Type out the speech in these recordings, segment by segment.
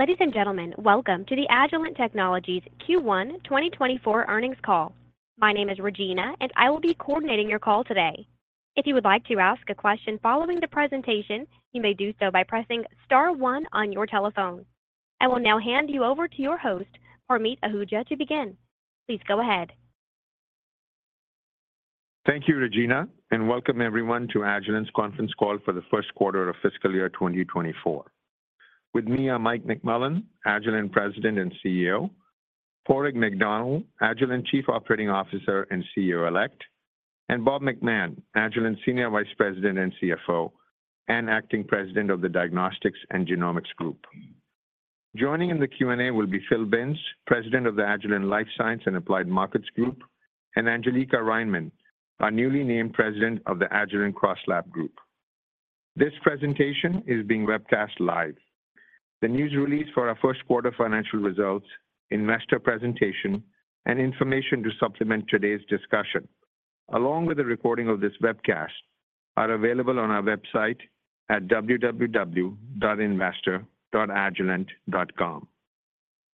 Ladies and gentlemen, welcome to the Agilent Technologies Q1 2024 earnings call. My name is Regina, and I will be coordinating your call today. If you would like to ask a question following the presentation, you may do so by pressing star 1 on your telephone. I will now hand you over to your host, Parmeet Ahuja, to begin. Please go ahead. Thank you, Regina, and welcome everyone to Agilent's conference call for the Q1 of fiscal year 2024. With me are Mike McMullen, Agilent President and CEO, Padraig McDonnell, Agilent Chief Operating Officer and CEO-elect, and Bob McMahon, Agilent Senior Vice President and CFO and Acting President of the Diagnostics and Genomics Group. Joining in the Q&A will be Philip Binns, President of the Agilent Life Sciences and Applied Markets Group, and Angelica Riemann, our newly named President of the Agilent CrossLab Group. This presentation is being webcast live. The news release for our Q1 financial results, investor presentation, and information to supplement today's discussion, along with the recording of this webcast, are available on our website at www.investor.agilent.com.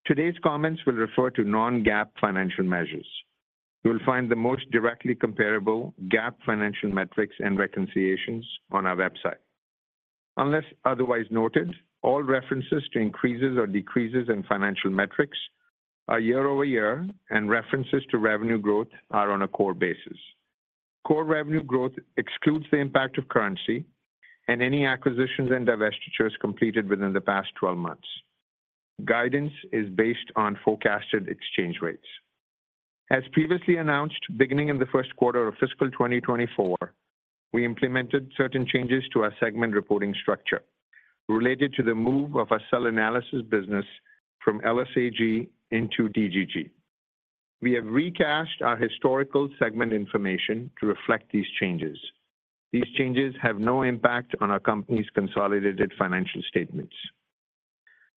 Today's comments will refer to non-GAAP financial measures. You'll find the most directly comparable GAAP financial metrics and reconciliations on our website. Unless otherwise noted, all references to increases or decreases in financial metrics are year-over-year, and references to revenue growth are on a core basis. Core revenue growth excludes the impact of currency and any acquisitions and divestitures completed within the past 12 months. Guidance is based on forecasted exchange rates. As previously announced, beginning in the Q1 of fiscal 2024, we implemented certain changes to our segment reporting structure related to the move of our cell analysis business from LSAG into DGG. We have recast our historical segment information to reflect these changes. These changes have no impact on our company's consolidated financial statements.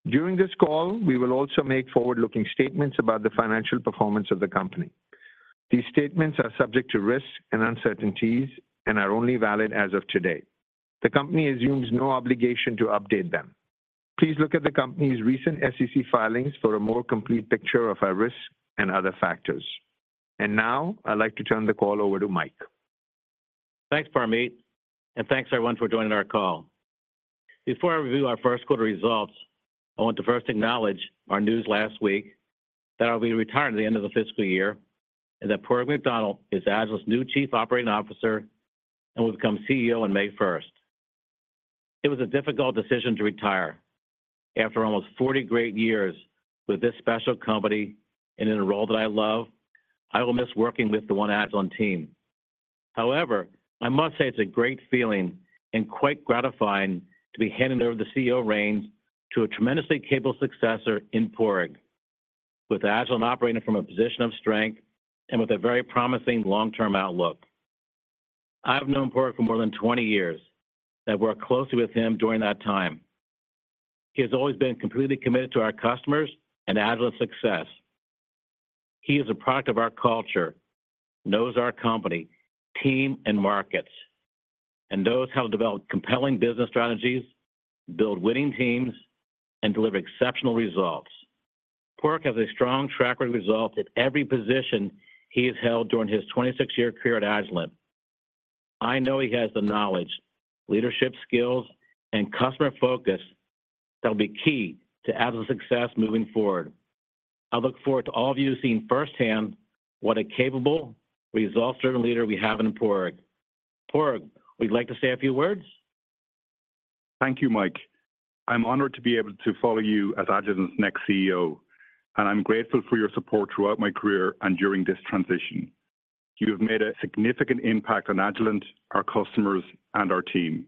During this call, we will also make forward-looking statements about the financial performance of the company. These statements are subject to risk and uncertainties and are only valid as of today. The company assumes no obligation to update them. Please look at the company's recent SEC filings for a more complete picture of our risk and other factors. Now I'd like to turn the call over to Mike. Thanks, Parmeet, and thanks everyone for joining our call. Before I review our Q1 results, I want to first acknowledge our news last week that I'll be retiring at the end of the fiscal year and that Padraig McDonnell is Agilent's new Chief Operating Officer and will become CEO on May 1st. It was a difficult decision to retire. After almost 40 great years with this special company and in a role that I love, I will miss working with the One Agilent team. However, I must say it's a great feeling and quite gratifying to be handing over the CEO reins to a tremendously capable successor in Padraig, with Agilent operating from a position of strength and with a very promising long-term outlook. I've known Padraig for more than 20 years and have worked closely with him during that time. He has always been completely committed to our customers and Agilent success. He is a product of our culture, knows our company, team, and markets, and knows how to develop compelling business strategies, build winning teams, and deliver exceptional results. Padraig has a strong track record of results at every position he has held during his 26-year career at Agilent. I know he has the knowledge, leadership skills, and customer focus that will be key to Agilent success moving forward. I look forward to all of you seeing firsthand what a capable, result-driven leader we have in Padraig. Padraig, would you like to say a few words? Thank you, Mike. I'm honored to be able to follow you as Agilent's next CEO, and I'm grateful for your support throughout my career and during this transition. You have made a significant impact on Agilent, our customers, and our team.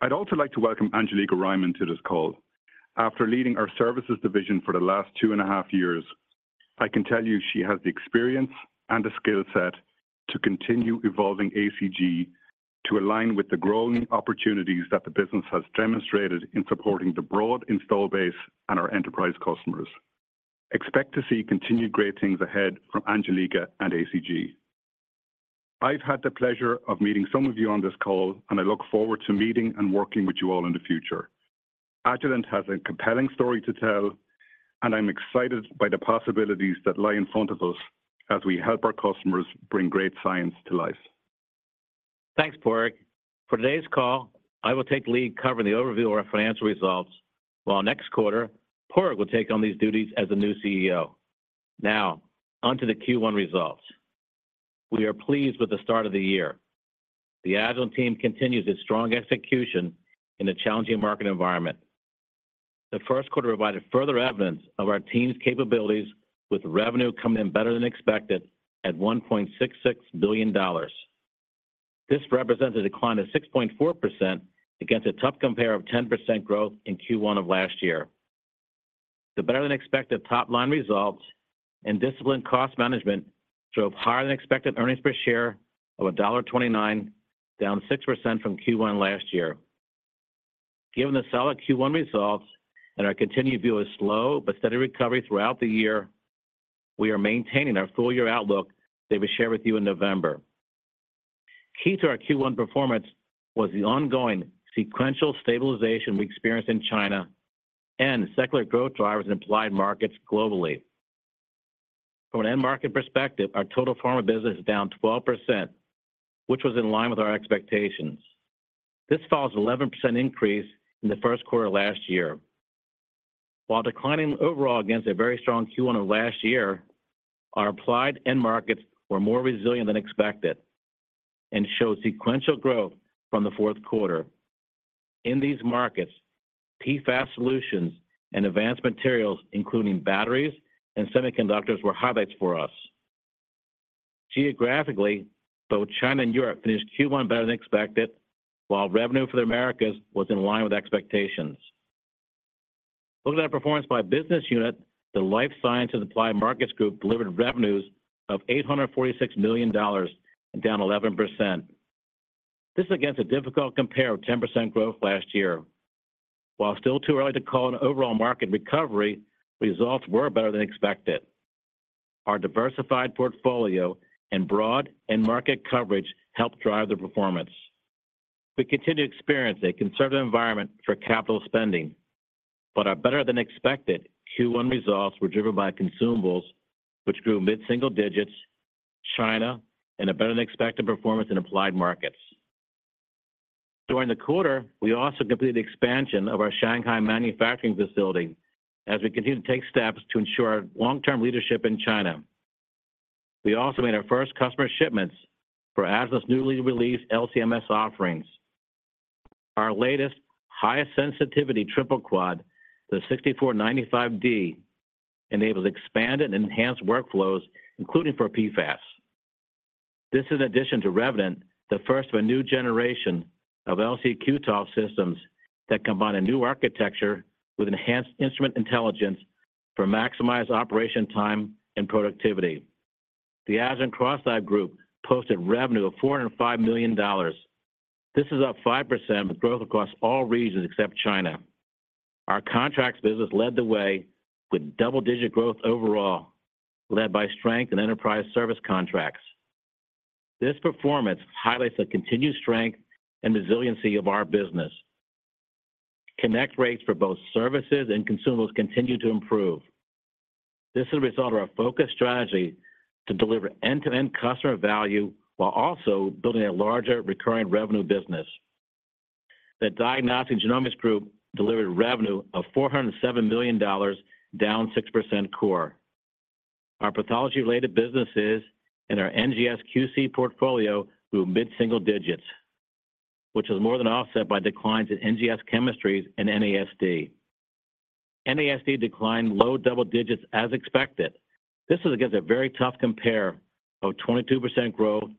I'd also like to welcome Angelica Riemann to this call. After leading our services division for the last two and a half years, I can tell you she has the experience and the skill set to continue evolving ACG to align with the growing opportunities that the business has demonstrated in supporting the broad install base and our enterprise customers. Expect to see continued great things ahead from Angelica and ACG. I've had the pleasure of meeting some of you on this call, and I look forward to meeting and working with you all in the future. Agilent has a compelling story to tell, and I'm excited by the possibilities that lie in front of us as we help our customers bring great science to life. Thanks, Padraig. For today's call, I will take the lead covering the overview of our financial results, while next quarter, Padraig will take on these duties as the new CEO. Now, onto the Q1 results. We are pleased with the start of the year. The Agilent team continues its strong execution in a challenging market environment. The Q1 provided further evidence of our team's capabilities, with revenue coming in better than expected at $1.66 billion. This represents a decline of 6.4% against a tough compare of 10% growth in Q1 of last year. The better-than-expected top-line results and disciplined cost management drove higher-than-expected earnings per share of $1.29, down 6% from Q1 last year. Given the solid Q1 results and our continued view of a slow but steady recovery throughout the year, we are maintaining our full-year outlook that we shared with you in November. Key to our Q1 performance was the ongoing sequential stabilization we experienced in China and secular growth drivers in Applied markets globally. From an end-market perspective, our total Pharma business is down 12%, which was in line with our expectations. This follows an 11% increase in the Q1 last year. While declining overall against a very strong Q1 of last year, our applied end markets were more resilient than expected and showed sequential growth from the fourth quarter. In these markets, PFAS solutions and advanced materials, including batteries and semiconductors, were highlights for us. Geographically, both China and Europe finished Q1 better than expected, while revenue for the Americas was in line with expectations. Looking at our performance by business unit, the Life Sciences and Applied Markets Group delivered revenues of $846 million and down 11%. This is against a difficult compare of 10% growth last year. While still too early to call an overall market recovery, results were better than expected. Our diversified portfolio and broad end-market coverage helped drive the performance. We continue to experience a conservative environment for capital spending, but our better-than-expected Q1 results were driven by Consumables, which grew mid-single digits, China, and a better-than-expected performance in Applied markets. During the quarter, we also completed the expansion of our Shanghai manufacturing facility as we continue to take steps to ensure our long-term leadership in China. We also made our first customer shipments for Agilent's newly released LCMS offerings. Our latest high-sensitivity triple quad, the 6495D, enables expanded and enhanced workflows, including for PFAS. This is, in addition to Revident, the first of a new generation of LC/Q-TOF systems that combine a new architecture with enhanced instrument intelligence for maximized operation time and productivity. The Agilent CrossLab Group posted revenue of $405 million. This is up 5% with growth across all regions except China. Our contracts business led the way with double-digit growth overall, led by strength in enterprise service contracts. This performance highlights the continued strength and resiliency of our business. Connect rates for both services and Consumables continue to improve. This is a result of our focused strategy to deliver end-to-end customer value while also building a larger recurring revenue business. The Diagnostics and Genomics Group delivered revenue of $407 million, down 6% core. Our pathology-related businesses in our NGS QC portfolio grew mid-single digits, which was more than offset by declines in NGS Chemistries and NASD. NASD declined low double digits as expected. This is against a very tough compare of 22% growth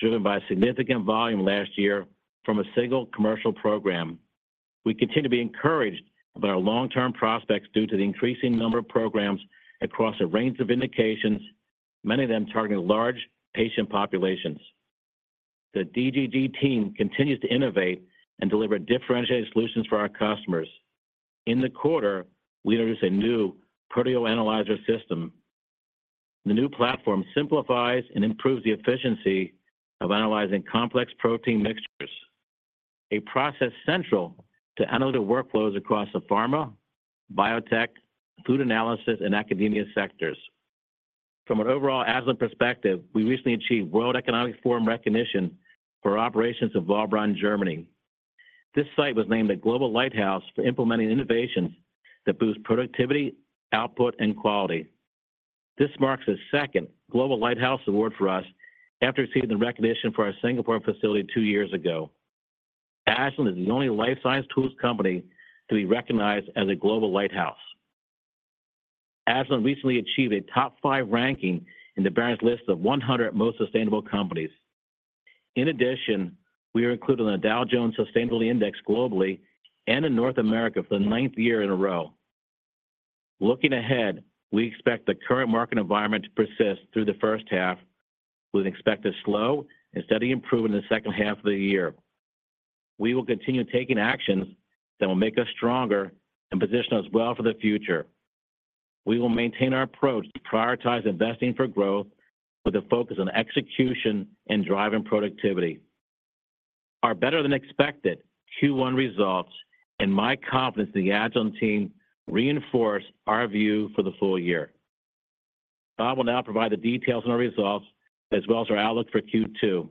driven by significant volume last year from a single commercial program. We continue to be encouraged by our long-term prospects due to the increasing number of programs across a range of indications, many of them targeting large patient populations. The DGG team continues to innovate and deliver differentiated solutions for our customers. In the quarter, we introduced a new ProteoAnalyzer system. The new platform simplifies and improves the efficiency of analyzing complex protein mixtures, a process central to analytic workflows across the Pharma, biotech, food analysis, and academia sectors. From an overall Agilent perspective, we recently achieved World Economic Forum recognition for operations in Waldbronn, Germany. This site was named a Global Lighthouse for implementing innovations that boost productivity, output, and quality. This marks the second Global Lighthouse award for us after receiving the recognition for our Singapore facility two years ago. Agilent is the only life science tools company to be recognized as a Global Lighthouse. Agilent recently achieved a top five ranking in the Barron's list of 100 most sustainable companies. In addition, we are included in the Dow Jones Sustainability Index globally and in North America for the 9th year in a row. Looking ahead, we expect the current market environment to persist through the H1, with an expected slow and steady improvement in the H2 of the year. We will continue taking actions that will make us stronger and position us well for the future. We will maintain our approach to prioritize investing for growth with a focus on execution and driving productivity. Our better-than-expected Q1 results and my confidence in the Agilent team reinforce our view for the full year. Bob will now provide the details on our results as well as our outlook for Q2.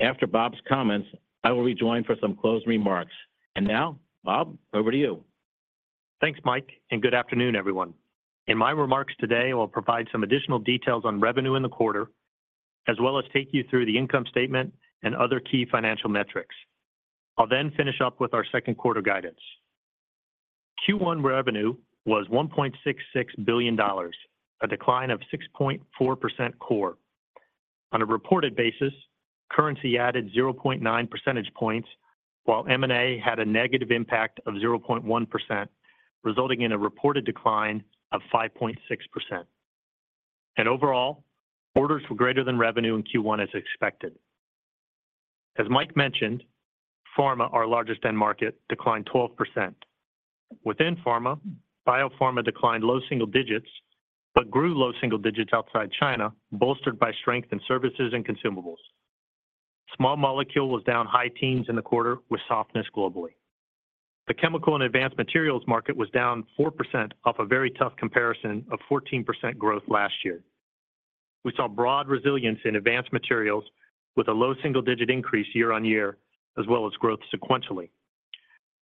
After Bob's comments, I will rejoin for some closing remarks. Now, Bob, over to you. Thanks, Mike, and good afternoon, everyone. In my remarks today, I will provide some additional details on revenue in the quarter, as well as take you through the income statement and other key financial metrics. I'll then finish up with our Q2 guidance. Q1 revenue was $1.66 billion, a decline of 6.4% core. On a reported basis, currency added 0.9 percentage points, while M&A had a negative impact of 0.1%, resulting in a reported decline of 5.6%. Overall, orders were greater than revenue in Q1 as expected. As Mike mentioned, Pharma, our largest end market, declined 12%. Within Pharma, Biopharma declined low single digits but grew low single digits outside China, bolstered by strength in services and Consumables. Small Molecule was down high teens in the quarter with softness globally. The chemical and advanced materials market was down 4% off a very tough comparison of 14% growth last year. We saw broad resilience in advanced materials with a low single digit increase year-on-year, as well as growth sequentially.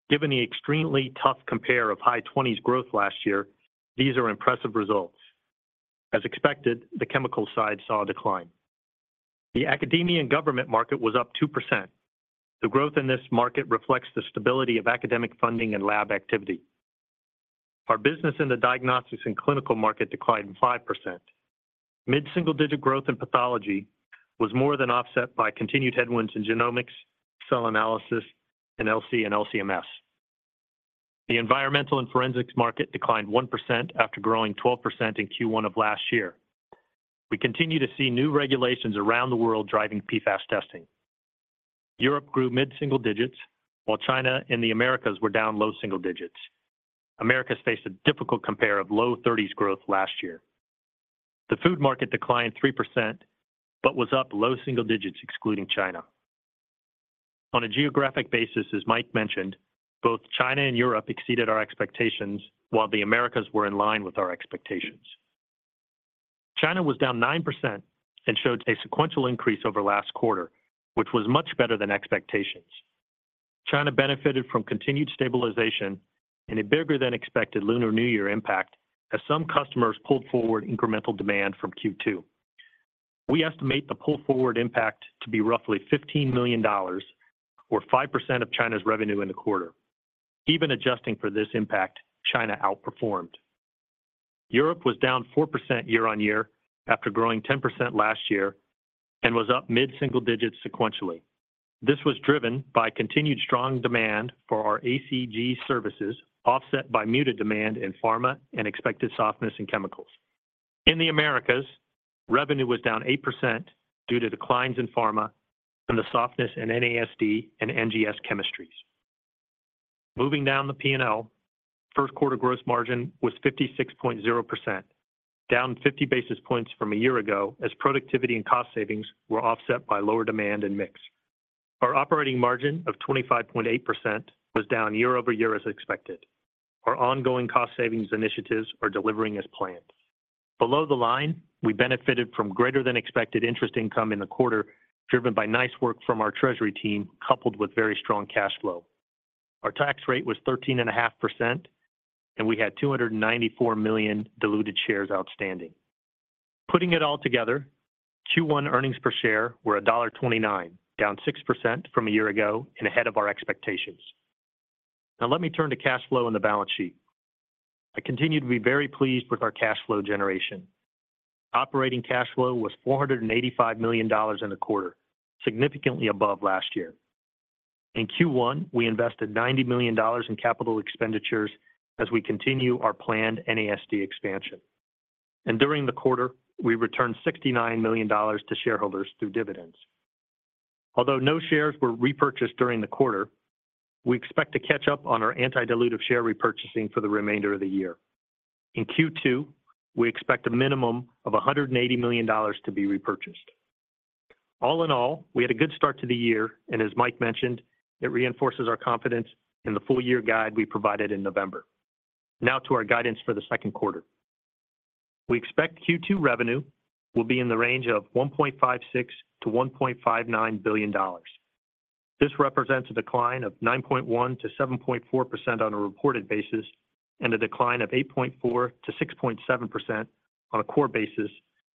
Given the extremely tough compare of high 20s growth last year, these are impressive results. As expected, the chemical side saw a decline. The Academia and Government market was up 2%. The growth in this market reflects the stability of academic funding and lab activity. Our business in the Diagnostics and Clinical market declined 5%. Mid-single digit growth in pathology was more than offset by continued headwinds in Genomics, cell analysis, and LC and LCMS. The Environmental and Forensics market declined 1% after growing 12% in Q1 of last year. We continue to see new regulations around the world driving PFAS testing. Europe grew mid-single digits, while China and the Americas were down low single digits. America faced a difficult compare of low 30s growth last year. The food market declined 3% but was up low single digits, excluding China. On a geographic basis, as Mike mentioned, both China and Europe exceeded our expectations, while the Americas were in line with our expectations. China was down 9% and showed a sequential increase over last quarter, which was much better than expectations. China benefited from continued stabilization and a bigger-than-expected Lunar New Year impact as some customers pulled forward incremental demand from Q2. We estimate the pull forward impact to be roughly $15 million, or 5% of China's revenue in the quarter. Even adjusting for this impact, China outperformed. Europe was down 4% year-on-year after growing 10% last year and was up mid-single digits sequentially. This was driven by continued strong demand for our ACG services, offset by muted demand in Pharma and expected softness in chemicals. In the Americas, revenue was down 8% due to declines in Pharma and the softness in NASD and NGS Chemistries. Moving down the P&L, Q1 gross margin was 56.0%, down 50 basis points from a year ago as productivity and cost savings were offset by lower demand and mix. Our operating margin of 25.8% was down year-over-year as expected. Our ongoing cost savings initiatives are delivering as planned. Below the line, we benefited from greater-than-expected interest income in the quarter driven by nice work from our treasury team coupled with very strong cash flow. Our tax rate was 13.5%, and we had 294 million diluted shares outstanding. Putting it all together, Q1 earnings per share were $1.29, down 6% from a year ago and ahead of our expectations. Now, let me turn to cash flow in the balance sheet. I continue to be very pleased with our cash flow generation. Operating cash flow was $485 million in the quarter, significantly above last year. In Q1, we invested $90 million in capital expenditures as we continue our planned NASD expansion. During the quarter, we returned $69 million to shareholders through dividends. Although no shares were repurchased during the quarter, we expect to catch up on our anti-dilutive share repurchasing for the remainder of the year. In Q2, we expect a minimum of $180 million to be repurchased. All in all, we had a good start to the year, and as Mike mentioned, it reinforces our confidence in the full-year guide we provided in November. Now to our guidance for the Q2. We expect Q2 revenue will be in the range of $1.56-$1.59 billion. This represents a decline of 9.1%-7.4% on a reported basis and a decline of 8.4%-6.7% on a core basis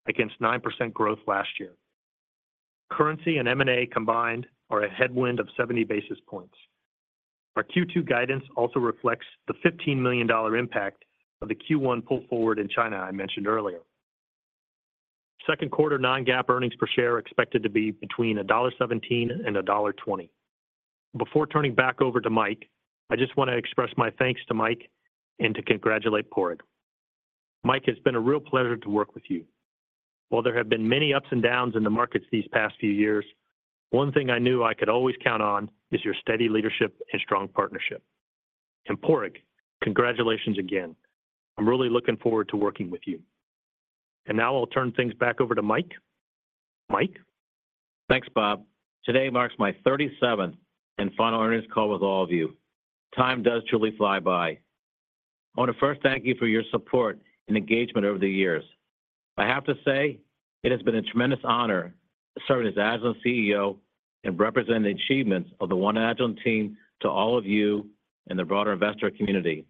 against 9% growth last year. Currency and M&A combined are a headwind of 70 basis points. Our Q2 guidance also reflects the $15 million impact of the Q1 pull forward in China I mentioned earlier. Q2 non-GAAP earnings per share are expected to be between $1.17 and $1.20. Before turning back over to Mike, I just want to express my thanks to Mike and to congratulate Padraig. Mike, it's been a real pleasure to work with you. While there have been many ups and downs in the markets these past few years, one thing I knew I could always count on is your steady leadership and strong partnership. And Padraig, congratulations again. I'm really looking forward to working with you. And now I'll turn things back over to Mike. Mike? Thanks, Bob. Today marks my 37th and final earnings call with all of you. Time does truly fly by. I want to first thank you for your support and engagement over the years. I have to say, it has been a tremendous honor serving as Agilent CEO and representing the achievements of the One Agilent team to all of you and the broader investor community.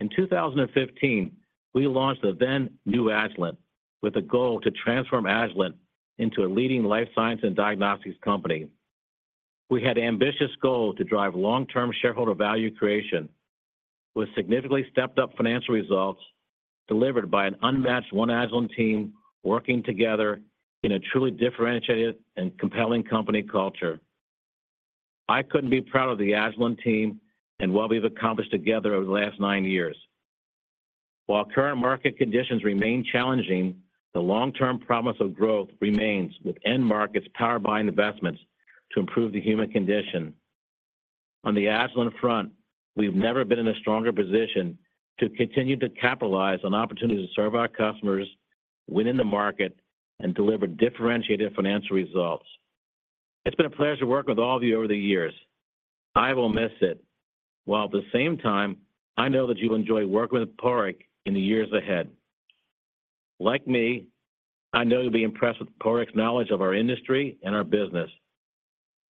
In 2015, we launched the then-new Agilent with the goal to transform Agilent into a leading life science and diagnostics company. We had an ambitious goal to drive long-term shareholder value creation with significantly stepped-up financial results delivered by an unmatched One Agilent team working together in a truly differentiated and compelling company culture. I couldn't be prouder of the Agilent team and what we've accomplished together over the last nine years. While current market conditions remain challenging, the long-term promise of growth remains with end markets powered by investments to improve the human condition. On the Agilent front, we've never been in a stronger position to continue to capitalize on opportunities to serve our customers, win in the market, and deliver differentiated financial results. It's been a pleasure working with all of you over the years. I will miss it. While at the same time, I know that you'll enjoy working with Padraig in the years ahead. Like me, I know you'll be impressed with Padraig's knowledge of our industry and our business.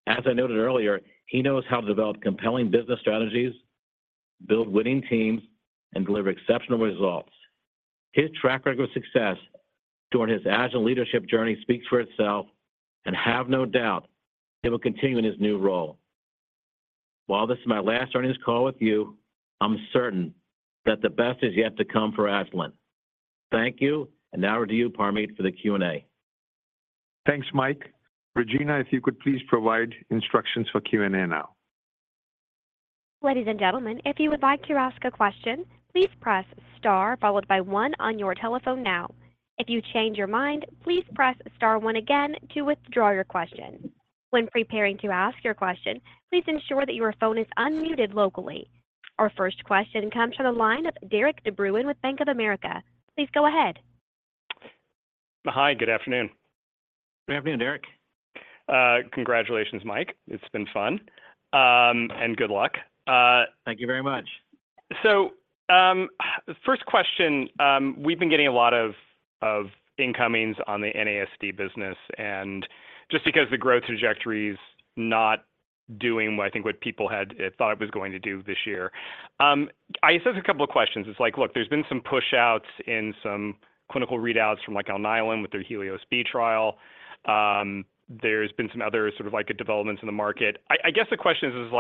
As I noted earlier, he knows how to develop compelling business strategies, build winning teams, and deliver exceptional results. His track record of success during his Agilent leadership journey speaks for itself, and I have no doubt, he will continue in his new role. While this is my last earnings call with you, I'm certain that the best is yet to come for Agilent. Thank you, and now over to you, Parmeet, for the Q&A. Thanks, Mike. Regina, if you could please provide instructions for Q&A now. Ladies and gentlemen, if you would like to ask a question, please press star followed by one on your telephone now. If you change your mind, please press star one again to withdraw your question. When preparing to ask your question, please ensure that your phone is unmuted locally. Our first question comes from the line of Derik De Bruin with Bank of America. Please go ahead. Hi, good afternoon. Good afternoon, Derik. Congratulations, Mike. It's been fun and good luck. Thank you very much. First question, we've been getting a lot of incomings on the NASD business. Just because the growth trajectory is not doing what I think what people had thought it was going to do this year, I asked a couple of questions. It's like, look, there's been some pushouts in some clinical readouts from Alnylam with their HelioS trial. There's been some other sort of developments in the market. I guess the question is,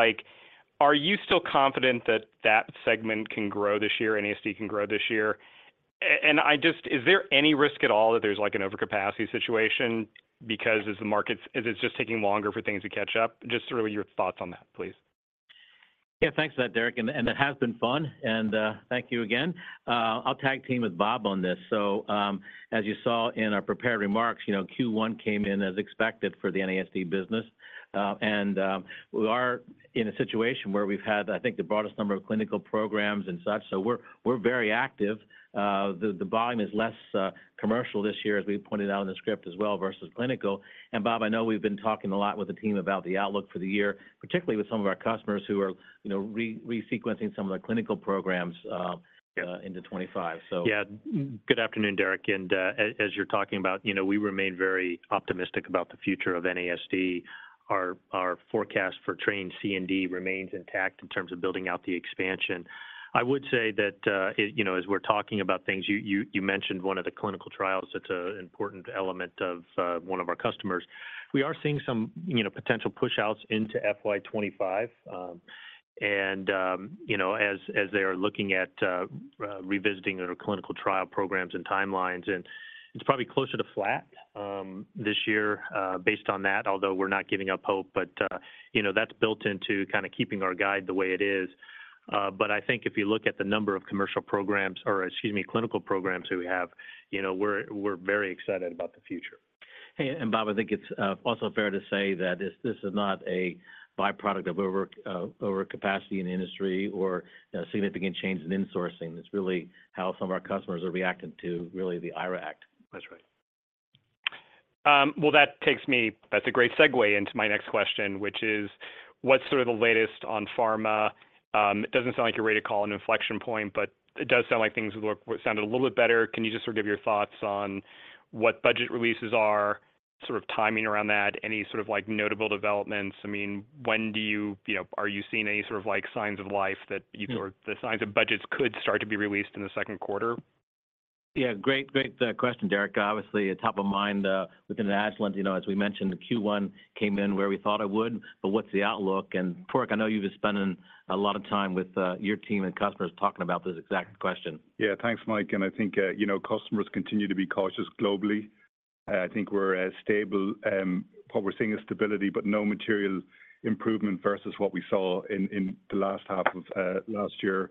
are you still confident that that segment can grow this year, NASD can grow this year? And is there any risk at all that there's an overcapacity situation because it's just taking longer for things to catch up? Just really your thoughts on that, please. Yeah, thanks for that, Derik. It has been fun. Thank you again. I'll tag team with Bob on this. So as you saw in our prepared remarks, Q1 came in as expected for the NASD business. We are in a situation where we've had, I think, the broadest number of clinical programs and such. So we're very active. The volume is less commercial this year, as we pointed out in the script as well, versus clinical. Bob, I know we've been talking a lot with the team about the outlook for the year, particularly with some of our customers who are resequencing some of the clinical programs into 2025, so. Yeah, good afternoon, Derik. And as you're talking about, we remain very optimistic about the future of NASD. Our forecast for Train C&D remains intact in terms of building out the expansion. I would say that as we're talking about things, you mentioned one of the clinical trials that's an important element of one of our customers. We are seeing some potential pushouts into FY 2025. And as they are looking at revisiting their clinical trial programs and timelines, and it's probably closer to flat this year based on that, although we're not giving up hope, but that's built into kind of keeping our guide the way it is. But I think if you look at the number of commercial programs or, excuse me, clinical programs that we have, we're very excited about the future. Hey, and Bob, I think it's also fair to say that this is not a byproduct of overcapacity in the industry or significant change in insourcing. It's really how some of our customers are reacting to really the IRA Act. That's right. Well, that takes me, that's a great segue into my next question, which is, what's sort of the latest on Pharma? It doesn't sound like you're ready to call an inflection point, but it does sound like things sounded a little bit better. Can you just sort of give your thoughts on what budget releases are, sort of timing around that, any sort of notable developments? I mean, are you seeing any sort of signs of life that you thought the signs of budgets could start to be released in the Q2? Yeah, great question, Derik. Obviously, top of mind within Agilent, as we mentioned, Q1 came in where we thought it would. But what's the outlook? And Padraig, I know you've been spending a lot of time with your team and customers talking about this exact question. Yeah, thanks, Mike. And I think customers continue to be cautious globally. I think we're stable. What we're seeing is stability, but no material improvement versus what we saw in the last half of last year.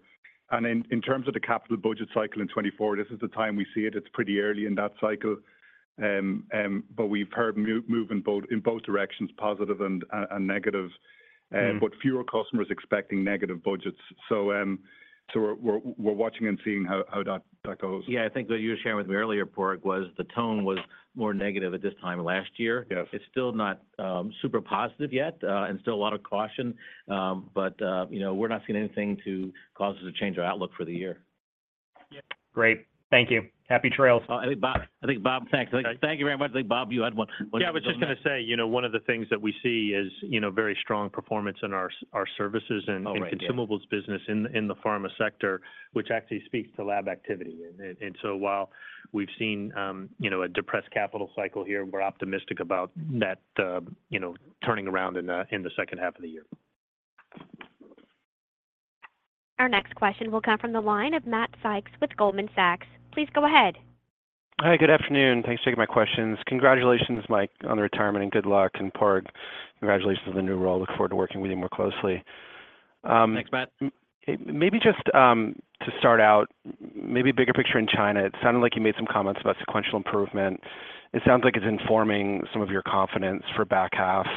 And in terms of the capital budget cycle in 2024, this is the time we see it. It's pretty early in that cycle. But we've heard movement in both directions, positive and negative, but fewer customers expecting negative budgets. So we're watching and seeing how that goes. Yeah, I think what you were sharing with me earlier, Padraig, was the tone was more negative at this time last year. It's still not super positive yet and still a lot of caution. But we're not seeing anything to cause us to change our outlook for the year. Great. Thank you. Happy trails. I think, Bob, thanks. Thank you very much. I think, Bob, you had one question. Yeah, I was just going to say, one of the things that we see is very strong performance in our services and Consumables business in the Pharma sector, which actually speaks to lab activity. While we've seen a depressed capital cycle here, we're optimistic about that turning around in the H2 of the year. Our next question will come from the line of Matt Sykes with Goldman Sachs. Please go ahead. Hi, good afternoon. Thanks for taking my questions. Congratulations, Mike, on the retirement, and good luck. And Padraig, congratulations on the new role. Look forward to working with you more closely. Thanks, Matt. Maybe just to start out, maybe bigger picture in China. It sounded like you made some comments about sequential improvement. It sounds like it's informing some of your confidence for back half.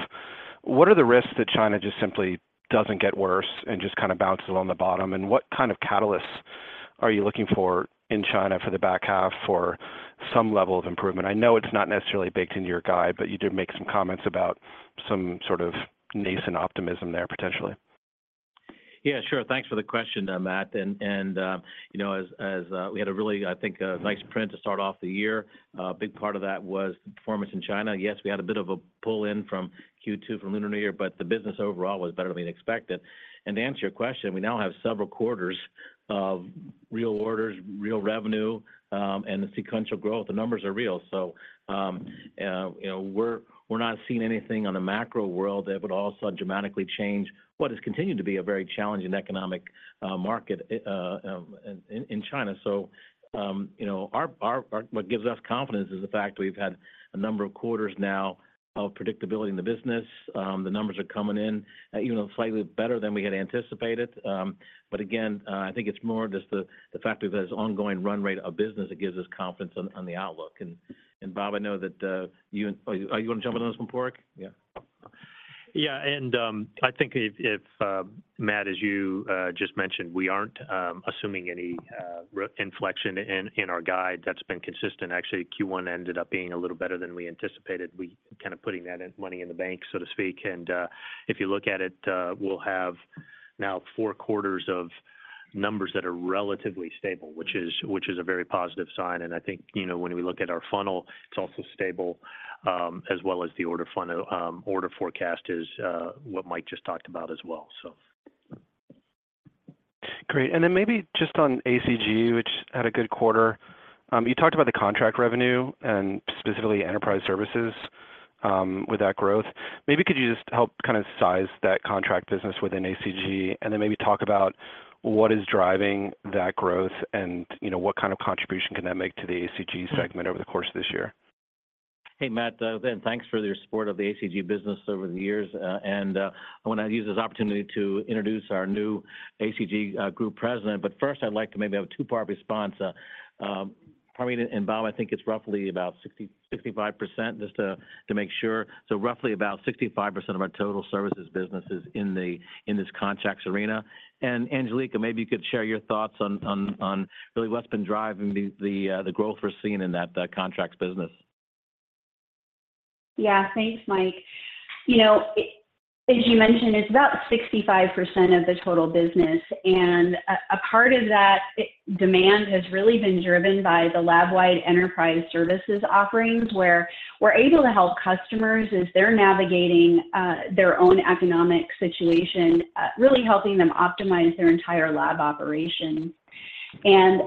What are the risks that China just simply doesn't get worse and just kind of bounces along the bottom? And what kind of catalysts are you looking for in China for the back half for some level of improvement? I know it's not necessarily baked into your guide, but you did make some comments about some sort of nascent optimism there, potentially. Yeah, sure. Thanks for the question, Matt. And as we had a really, I think, nice print to start off the year, a big part of that was the performance in China. Yes, we had a bit of a pull in from Q2 from Lunar New Year, but the business overall was better than we had expected. And to answer your question, we now have several quarters of real orders, real revenue, and sequential growth. The numbers are real. So we're not seeing anything on the macro world that would also dramatically change what has continued to be a very challenging economic market in China. So what gives us confidence is the fact we've had a number of quarters now of predictability in the business. The numbers are coming in slightly better than we had anticipated. But again, I think it's more just the fact we've had this ongoing run rate of business that gives us confidence on the outlook. And Bob, I know that you are going to jump in on this from Padraig? Yeah? Yeah. And I think if, Matt, as you just mentioned, we aren't assuming any inflection in our guide. That's been consistent. Actually, Q1 ended up being a little better than we anticipated. We kind of put money in the bank, so to speak. And if you look at it, we'll have now four quarters of numbers that are relatively stable, which is a very positive sign. And I think when we look at our funnel, it's also stable, as well as the order forecast is what Mike just talked about as well, so. Great. And then maybe just on ACG, which had a good quarter, you talked about the contract revenue and specifically enterprise services with that growth. Maybe could you just help kind of size that contract business within ACG and then maybe talk about what is driving that growth and what kind of contribution can that make to the ACG segment over the course of this year? Hey, Matt, again, thanks for your support of the ACG business over the years. I want to use this opportunity to introduce our new ACG group president. But first, I'd like to maybe have a two-part response. Parmeet and Bob, I think it's roughly about 65% just to make sure. So roughly about 65% of our total services business is in this contracts arena. And Angelica, maybe you could share your thoughts on really what's been driving the growth we're seeing in that contracts business. Yeah, thanks, Mike. As you mentioned, it's about 65% of the total business. A part of that demand has really been driven by the lab-wide enterprise services offerings where we're able to help customers as they're navigating their own economic situation, really helping them optimize their entire lab operation.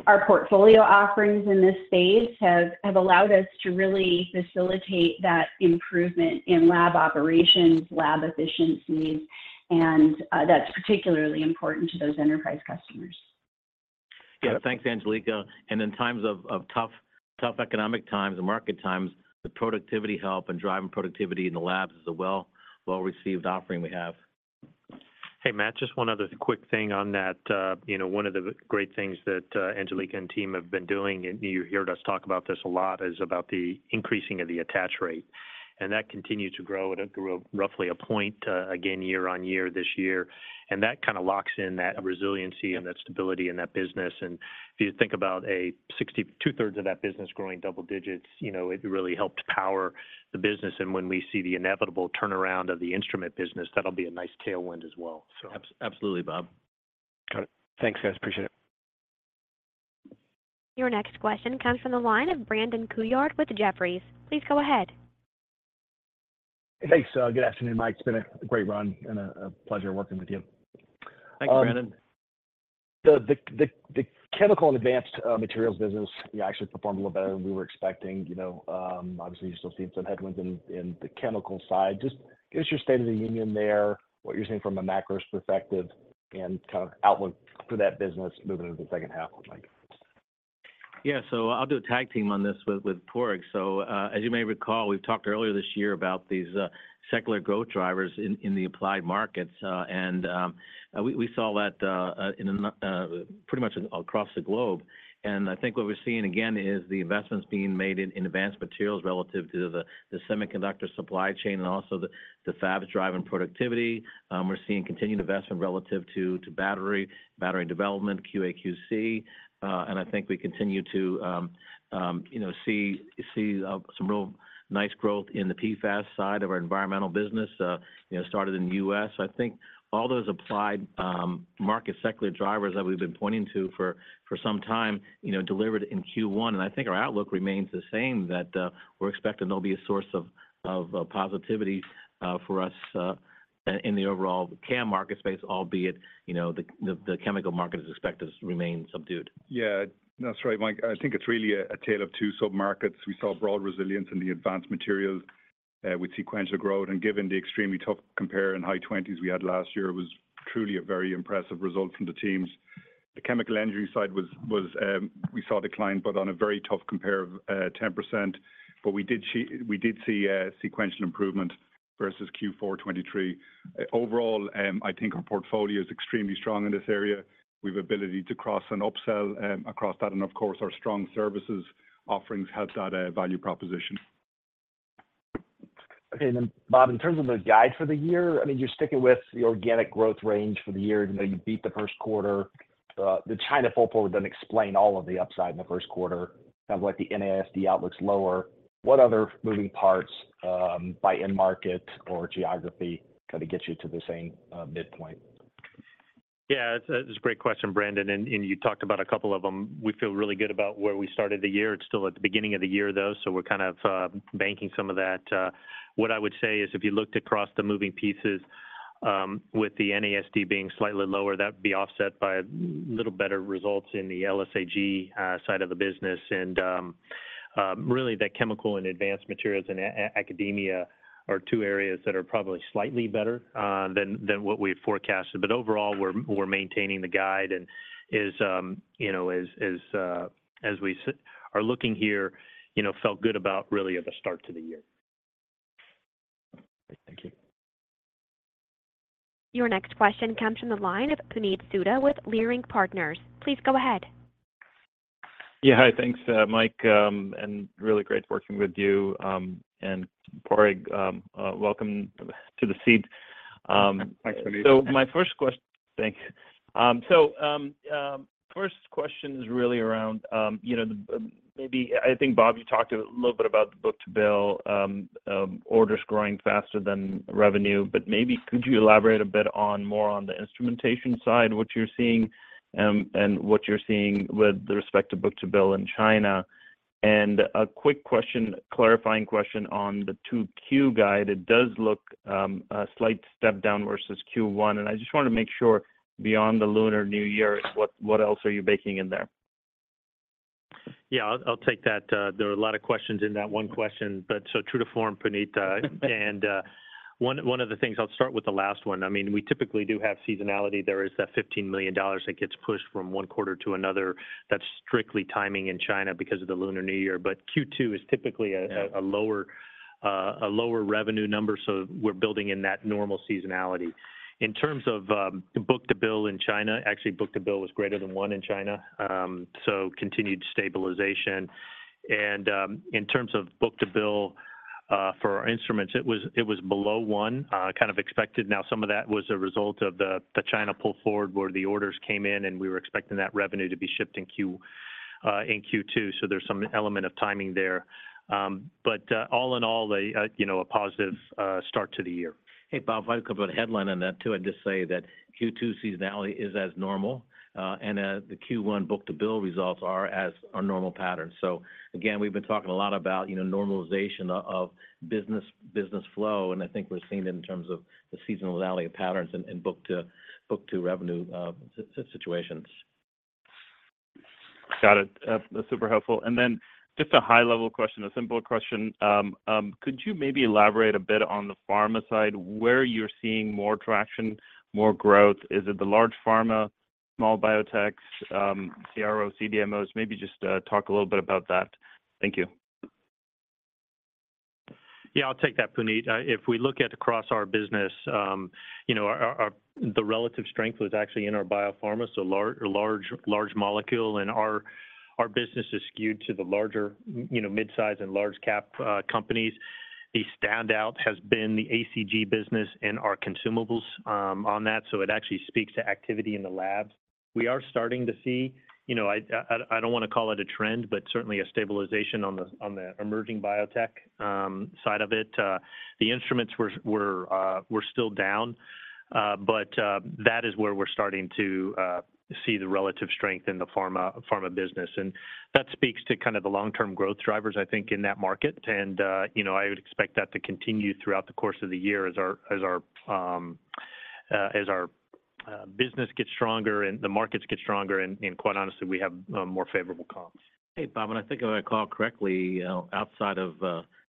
Our portfolio offerings in this space have allowed us to really facilitate that improvement in lab operations, lab efficiencies. That's particularly important to those enterprise customers. Yeah, thanks, Angelica. In times of tough economic times and market times, the productivity help and driving productivity in the labs is a well-received offering we have. Hey, Matt, just one other quick thing on that. One of the great things that Angelica and team have been doing, and you heard us talk about this a lot, is about the increasing of the attach rate. That continues to grow at roughly a point again year-on-year this year. That kind of locks in that resiliency and that stability in that business. When we see the inevitable turnaround of the instrument business, that'll be a nice tailwind as well, so. Absolutely, Bob. Got it. Thanks, guys. Appreciate it. Your next question comes from the line of Brandon Couillard with Jefferies. Please go ahead. Hey, thanks. Good afternoon, Mike. It's been a great run and a pleasure working with you. Thanks, Brandon. The chemical and advanced materials business actually performed a little better than we were expecting. Obviously, you're still seeing some headwinds in the chemical side. Just give us your state of the union there, what you're seeing from a macro perspective, and kind of outlook for that business moving into the H2, Mike. Yeah, so I'll do a tag team on this with Padraig. So as you may recall, we've talked earlier this year about these secular growth drivers in the Applied markets. We saw that pretty much across the globe. I think what we're seeing again is the investments being made in advanced materials relative to the semiconductor supply chain and also the fabs driving productivity. We're seeing continued investment relative to battery development, QA/QC. I think we continue to see some real nice growth in the PFAS side of our environmental business, started in the U.S. I think all those Applied market secular drivers that we've been pointing to for some time delivered in Q1. I think our outlook remains the same, that we're expecting there'll be a source of positivity for us in the overall CAM market space, albeit the chemical market is expected to remain subdued. Yeah, that's right, Mike. I think it's really a tale of two submarkets. We saw broad resilience in the advanced materials with sequential growth. And given the extremely tough compare in high 20s we had last year, it was truly a very impressive result from the teams. The chemical energy side was we saw decline, but on a very tough compare of 10%. But we did see sequential improvement versus Q4 2023. Overall, I think our portfolio is extremely strong in this area. We have ability to cross and upsell across that. And of course, our strong services offerings help that value proposition. Okay. Then, Bob, in terms of the guide for the year, I mean, you're sticking with the organic growth range for the year. You beat the Q1. The China fallout didn't explain all of the upside in the Q1. Kind of like the NASD outlook's lower. What other moving parts by end market or geography kind of get you to the same midpoint? Yeah, it's a great question, Brandon. And you talked about a couple of them. We feel really good about where we started the year. It's still at the beginning of the year, though, so we're kind of banking some of that. What I would say is if you looked across the moving pieces, with the NASD being slightly lower, that'd be offset by a little better results in the LSAG side of the business. And really, that chemical and advanced materials and academia are two areas that are probably slightly better than what we had forecasted. But overall, we're maintaining the guide. And as we are looking here, felt good about really at the start to the year. Great. Thank you. Your next question comes from the line of Puneet Souda with Leerink Partners. Please go ahead. Yeah, hi. Thanks, Mike. Really great working with you. Padraig, welcome to the seat. Thanks, Puneet. So my first question. Thank you. So first question is really around maybe I think, Bob, you talked a little bit about the Book to Bill, orders growing faster than revenue. But maybe could you elaborate a bit more on the instrumentation side, what you're seeing, and what you're seeing with respect to Book to Bill in China? And a quick clarifying question on the 2Q guide. It does look a slight step down versus Q1. And I just wanted to make sure, beyond the Lunar New Year, what else are you baking in there? Yeah, I'll take that. There were a lot of questions in that one question. But so true to form, Puneet. And one of the things I'll start with the last one. I mean, we typically do have seasonality. There is that $15 million that gets pushed from one quarter to another. That's strictly timing in China because of the Lunar New Year. But Q2 is typically a lower revenue number, so we're building in that normal seasonality. In terms of Book to Bill in China, actually, Book to Bill was greater than 1 in China, so continued stabilization. And in terms of Book to Bill for our instruments, it was below one, kind of expected. Now, some of that was a result of the China pull forward where the orders came in, and we were expecting that revenue to be shipped in Q2. So there's some element of timing there. But all in all, a positive start to the year. Hey, Bob, I want to cover the headline on that too. I'd just say that Q2 seasonality is as normal. The Q1 Book to Bill results are as our normal pattern. So again, we've been talking a lot about normalization of business flow. I think we're seeing it in terms of the seasonality of patterns and Book to Revenue situations. Got it. That's super helpful. And then just a high-level question, a simple question. Could you maybe elaborate a bit on the Pharma side, where you're seeing more traction, more growth? Is it the large Pharma, small biotechs, CROs, CDMOs? Maybe just talk a little bit about that. Thank you. Yeah, I'll take that, Puneet. If we look across our business, the relative strength was actually in our biopharma, so large molecule. And our business is skewed to the larger midsize and large-cap companies. The standout has been the ACG business and our Consumables on that. So it actually speaks to activity in the labs. We are starting to see I don't want to call it a trend, but certainly a stabilization on the emerging biotech side of it. The instruments were still down. But that is where we're starting to see the relative strength in the Pharma business. That speaks to kind of the long-term growth drivers, I think, in that market. I would expect that to continue throughout the course of the year as our business gets stronger and the markets get stronger. Quite honestly, we have more favorable comps. Hey, Bob, and I think if I call correctly, outside of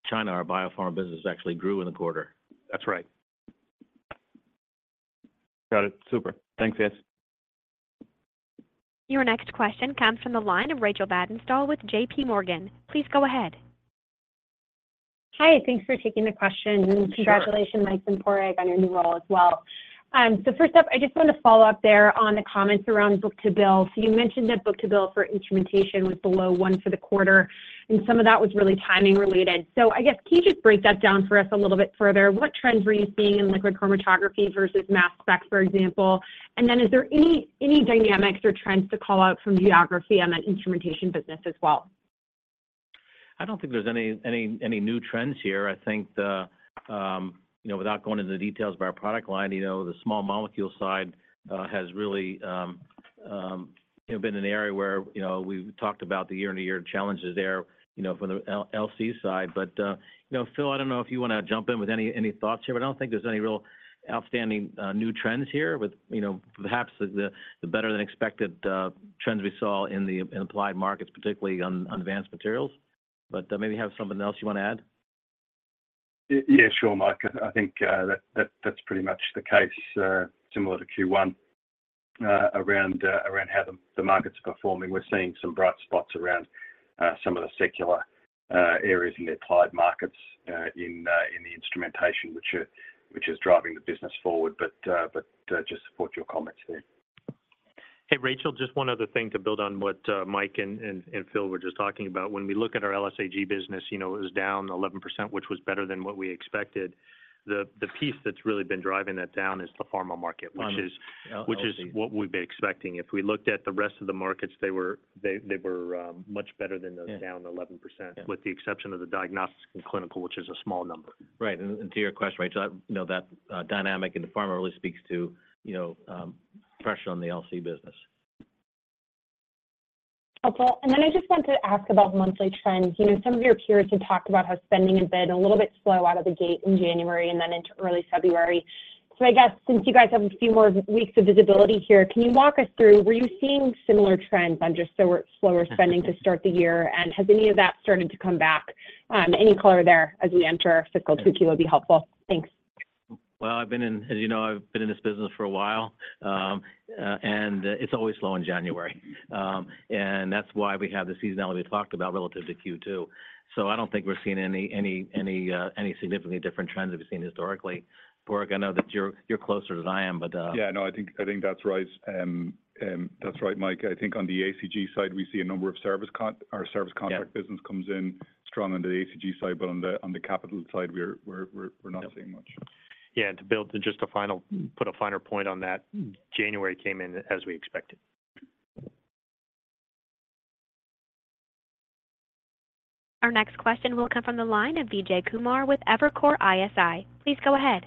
China, our biopharma business actually grew in the quarter. That's right. Got it. Super. Thanks, guys. Your next question comes from the line of Rachel Vatnsdal with JPMorgan. Please go ahead. Hi. Thanks for taking the question. Congratulations, Mike and Padraig, on your new role as well. So first up, I just want to follow up there on the comments around Book to Bill. So you mentioned that Book to Bill for instrumentation was below one for the quarter. And some of that was really timing-related. So I guess can you just break that down for us a little bit further? What trends were you seeing in liquid chromatography versus mass specs, for example? And then is there any dynamics or trends to call out from geography on that instrumentation business as well? I don't think there's any new trends here. I think without going into the details by our product line, the Small Molecule side has really been an area where we've talked about the year-to-year challenges there from the LC side. But Phil, I don't know if you want to jump in with any thoughts here, but I don't think there's any real outstanding new trends here, perhaps the better-than-expected trends we saw in Applied markets, particularly on advanced materials. But maybe have something else you want to add? Yeah, sure, Mike. I think that's pretty much the case, similar to Q1, around how the markets are performing. We're seeing some bright spots around some of the secular areas in the Applied markets in the instrumentation, which is driving the business forward. But just support your comments there. Hey, Rachel, just one other thing to build on what Mike and Phil were just talking about. When we look at our LSAG business, it was down 11%, which was better than what we expected. The piece that's really been driving that down is the Pharma market, which is what we've been expecting. If we looked at the rest of the markets, they were much better than those down 11%, with the exception of the diagnostics and clinical, which is a small number. Right. And to your question, Rachel, that dynamic in the Pharma really speaks to pressure on the LC business. Okay. And then I just want to ask about monthly trends. Some of your peers had talked about how spending had been a little bit slow out of the gate in January and then into early February. So I guess since you guys have a few more weeks of visibility here, can you walk us through, were you seeing similar trends on just slower spending to start the year? And has any of that started to come back? Any color there as we enter fiscal 2Q would be helpful. Thanks. Well, as you know, I've been in this business for a while. It's always slow in January. That's why we have the seasonality we talked about relative to Q2. I don't think we're seeing any significantly different trends that we've seen historically. Padraig, I know that you're closer than I am, but. Yeah, no, I think that's right. That's right, Mike. I think on the ACG side, we see a number of services. Our service contract business comes in strong on the ACG side. But on the capital side, we're not seeing much. Yeah. To just put a finer point on that, January came in as we expected. Our next question will come from the line of Vijay Kumar with Evercore ISI. Please go ahead.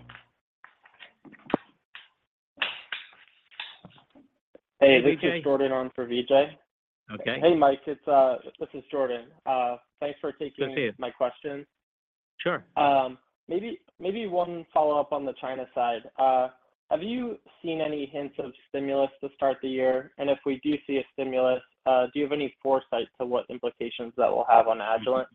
Hey, this is Jordan on for Vijay. Hey, Mike. This is Jordan. Thanks for taking my questions. Sure. Maybe one follow-up on the China side. Have you seen any hints of stimulus to start the year? If we do see a stimulus, do you have any foresight to what implications that will have on Agilent?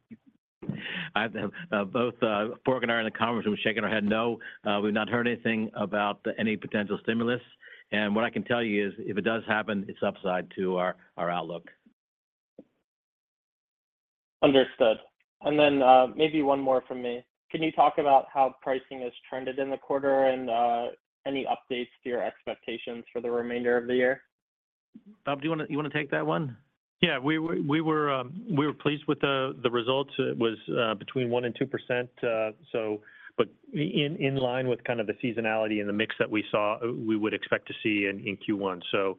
Both Padraig and I are in the conference room shaking our heads. No, we've not heard anything about any potential stimulus. What I can tell you is, if it does happen, it's upside to our outlook. Understood. And then maybe one more from me. Can you talk about how pricing has trended in the quarter and any updates to your expectations for the remainder of the year? Bob, do you want to take that one? Yeah. We were pleased with the results. It was between 1% and 2%, but in line with kind of the seasonality and the mix that we saw, we would expect to see in Q1. So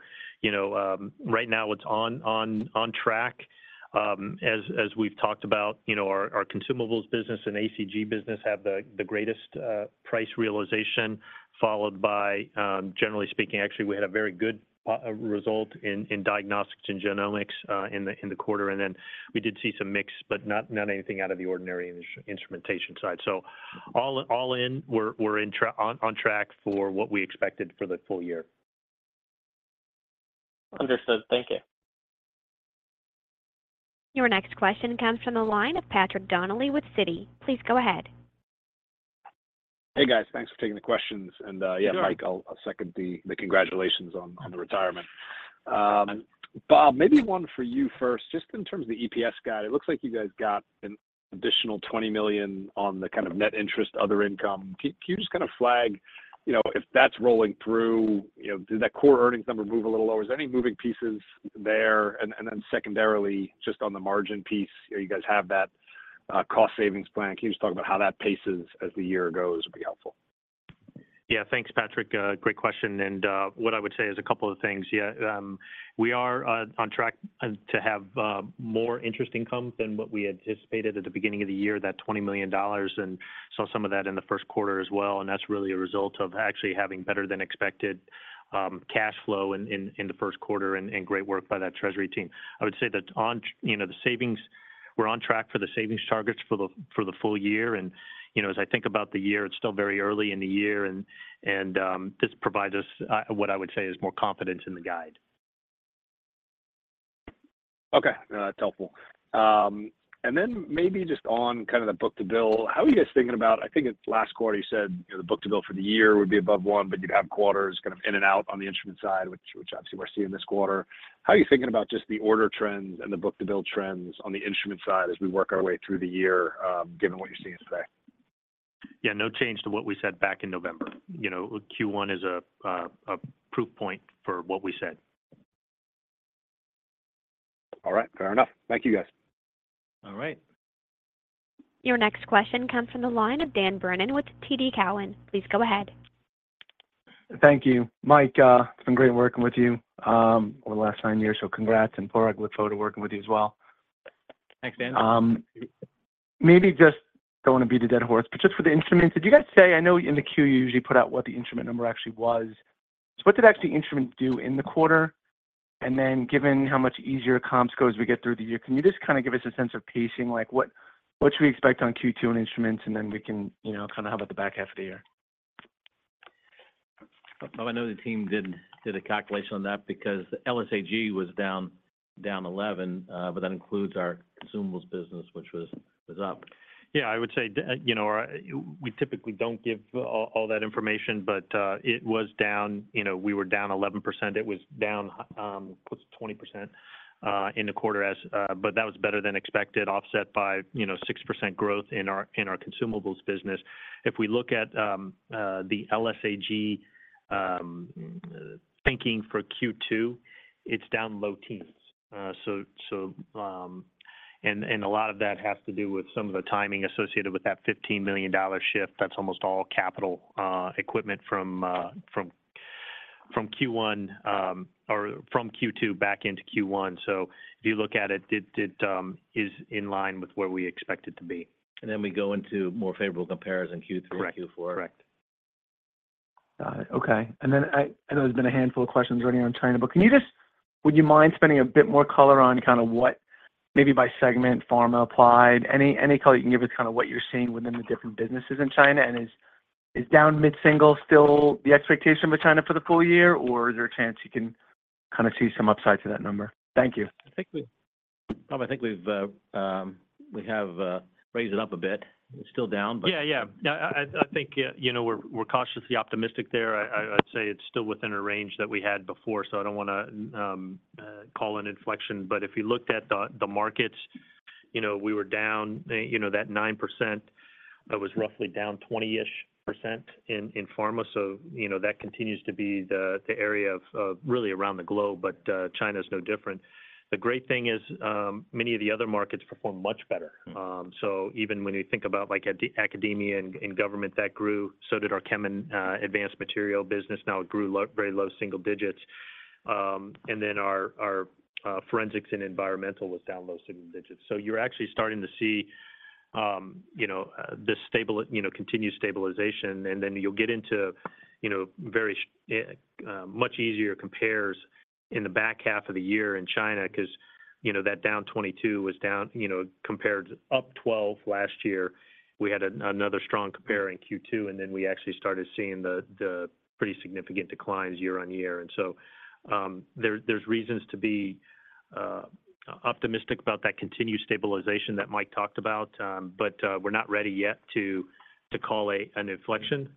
right now, it's on track. As we've talked about, our Consumables business and ACG business have the greatest price realization, followed by, generally speaking, actually, we had a very good result in diagnostics and Genomics in the quarter. And then we did see some mix, but not anything out of the ordinary in the instrumentation side. So all in, we're on track for what we expected for the full year. Understood. Thank you. Your next question comes from the line of Patrick Donnelly with Citi. Please go ahead. Hey, guys. Thanks for taking the questions. And yeah, Mike, I'll second the congratulations on the retirement. Bob, maybe one for you first. Just in terms of the EPS guide, it looks like you guys got an additional $20 million on the kind of net interest, other income. Can you just kind of flag, if that's rolling through, did that core earnings number move a little lower? Is there any moving pieces there? And then secondarily, just on the margin piece, you guys have that cost-savings plan. Can you just talk about how that paces as the year goes would be helpful? Yeah. Thanks, Patrick. Great question. And what I would say is a couple of things. Yeah, we are on track to have more interest income than what we anticipated at the beginning of the year, that $20 million. And saw some of that in the Q1 as well. And that's really a result of actually having better-than-expected cash flow in the Q1 and great work by that treasury team. I would say that on the savings, we're on track for the savings targets for the full year. And as I think about the year, it's still very early in the year. And this provides us, what I would say, is more confidence in the guide. Okay. That's helpful. And then maybe just on kind of the Book to Bill, how are you guys thinking about I think last quarter, you said the Book to Bill for the year would be above one, but you'd have quarters kind of in and out on the instrument side, which obviously we're seeing this quarter. How are you thinking about just the order trends and the Book to Bill trends on the instrument side as we work our way through the year, given what you're seeing today? Yeah, no change to what we said back in November. Q1 is a proof point for what we said. All right. Fair enough. Thank you, guys. All right. Your next question comes from the line of Dan Brennan with TD Cowen. Please go ahead. Thank you, Mike. It's been great working with you over the last nine years. Congrats. Padraig, look forward to working with you as well. Thanks, Dan. Maybe just don't want to beat a dead horse, but just for the instruments, did you guys say? I know in the Q, you usually put out what the instrument number actually was. So what did instruments actually do in the quarter? And then, given how much easier comps go as we get through the year, can you just kind of give us a sense of pacing? What should we expect on Q2 in instruments? And then we can kind of have it the back half of the year. Bob, I know the team did a calculation on that because the LSAG was down 11, but that includes our Consumables business, which was up. Yeah, I would say we typically don't give all that information, but it was down. We were down 11%. It was down 20% in the quarter, but that was better than expected, offset by 6% growth in our Consumables business. If we look at the LSAG thinking for Q2, it's down low teens. And a lot of that has to do with some of the timing associated with that $15 million shift. That's almost all capital equipment from Q1 or from Q2 back into Q1. So if you look at it, it is in line with where we expect it to be. Then we go into more favorable comparison Q3 and Q4. Correct. Correct. Got it. Okay. And then I know there's been a handful of questions already on China, but would you mind spending a bit more color on kind of what maybe by segment, Pharma, applied, any color you can give us kind of what you're seeing within the different businesses in China? And is down mid-single still the expectation for China for the full year? Or is there a chance you can kind of see some upside to that number? Thank you. I think we've raised it up a bit. It's still down, but. Yeah, yeah. I think we're cautiously optimistic there. I'd say it's still within a range that we had before. So I don't want to call an inflection. But if you looked at the markets, we were down that 9%. That was roughly down 20-ish% in Pharma. So that continues to be the area of really around the globe. But China is no different. The great thing is many of the other markets perform much better. So even when you think about academia and government, that grew. So did our Chem and Advanced Material business. Now it grew very low single digits. And then our Forensics and Environmental was down low single digits. So you're actually starting to see this continued stabilization. Then you'll get into much easier compares in the back half of the year in China because that down 22% was down compared to up 12% last year. We had another strong compare in Q2. Then we actually started seeing the pretty significant declines year-on-year. So there's reasons to be optimistic about that continued stabilization that Mike talked about. We're not ready yet to call an inflection.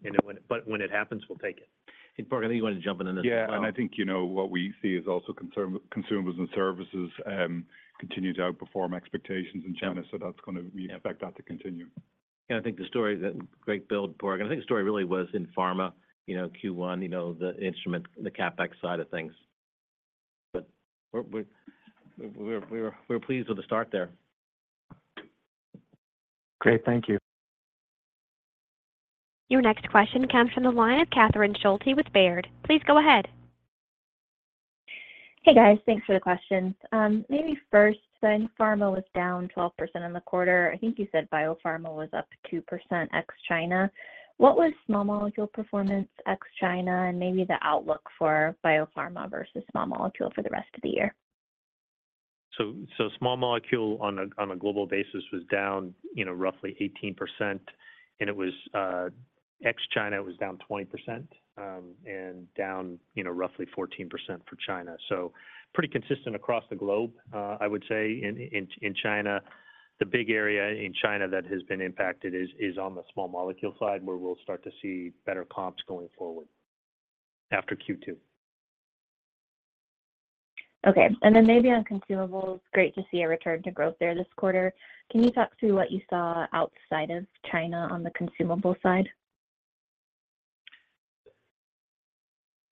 When it happens, we'll take it. Hey, Padraig, I think you wanted to jump in on this. Yeah. I think what we see is also Consumables and services continue to outperform expectations in China. That's going to affect that to continue. Yeah. I think the story that Greg built, Padraig. And I think the story really was in Pharma, Q1, the instrument, the CapEx side of things. But we're pleased with the start there. Great. Thank you. Your next question comes from the line of Catherine Schulte with Baird. Please go ahead. Hey, guys. Thanks for the questions. Maybe first. Said Pharma was down 12% in the quarter. I think you said Biopharma was up 2% ex-China. What was Small Molecule performance ex-China and maybe the outlook for Biopharma versus Small Molecule for the rest of the year? So Small Molecule on a global basis was down roughly 18%. Ex-China, it was down 20% and down roughly 14% for China. So pretty consistent across the globe, I would say. In China, the big area in China that has been impacted is on the Small Molecule side where we'll start to see better comps going forward after Q2. Okay. And then maybe on Consumables, great to see a return to growth there this quarter. Can you talk through what you saw outside of China on the consumable side?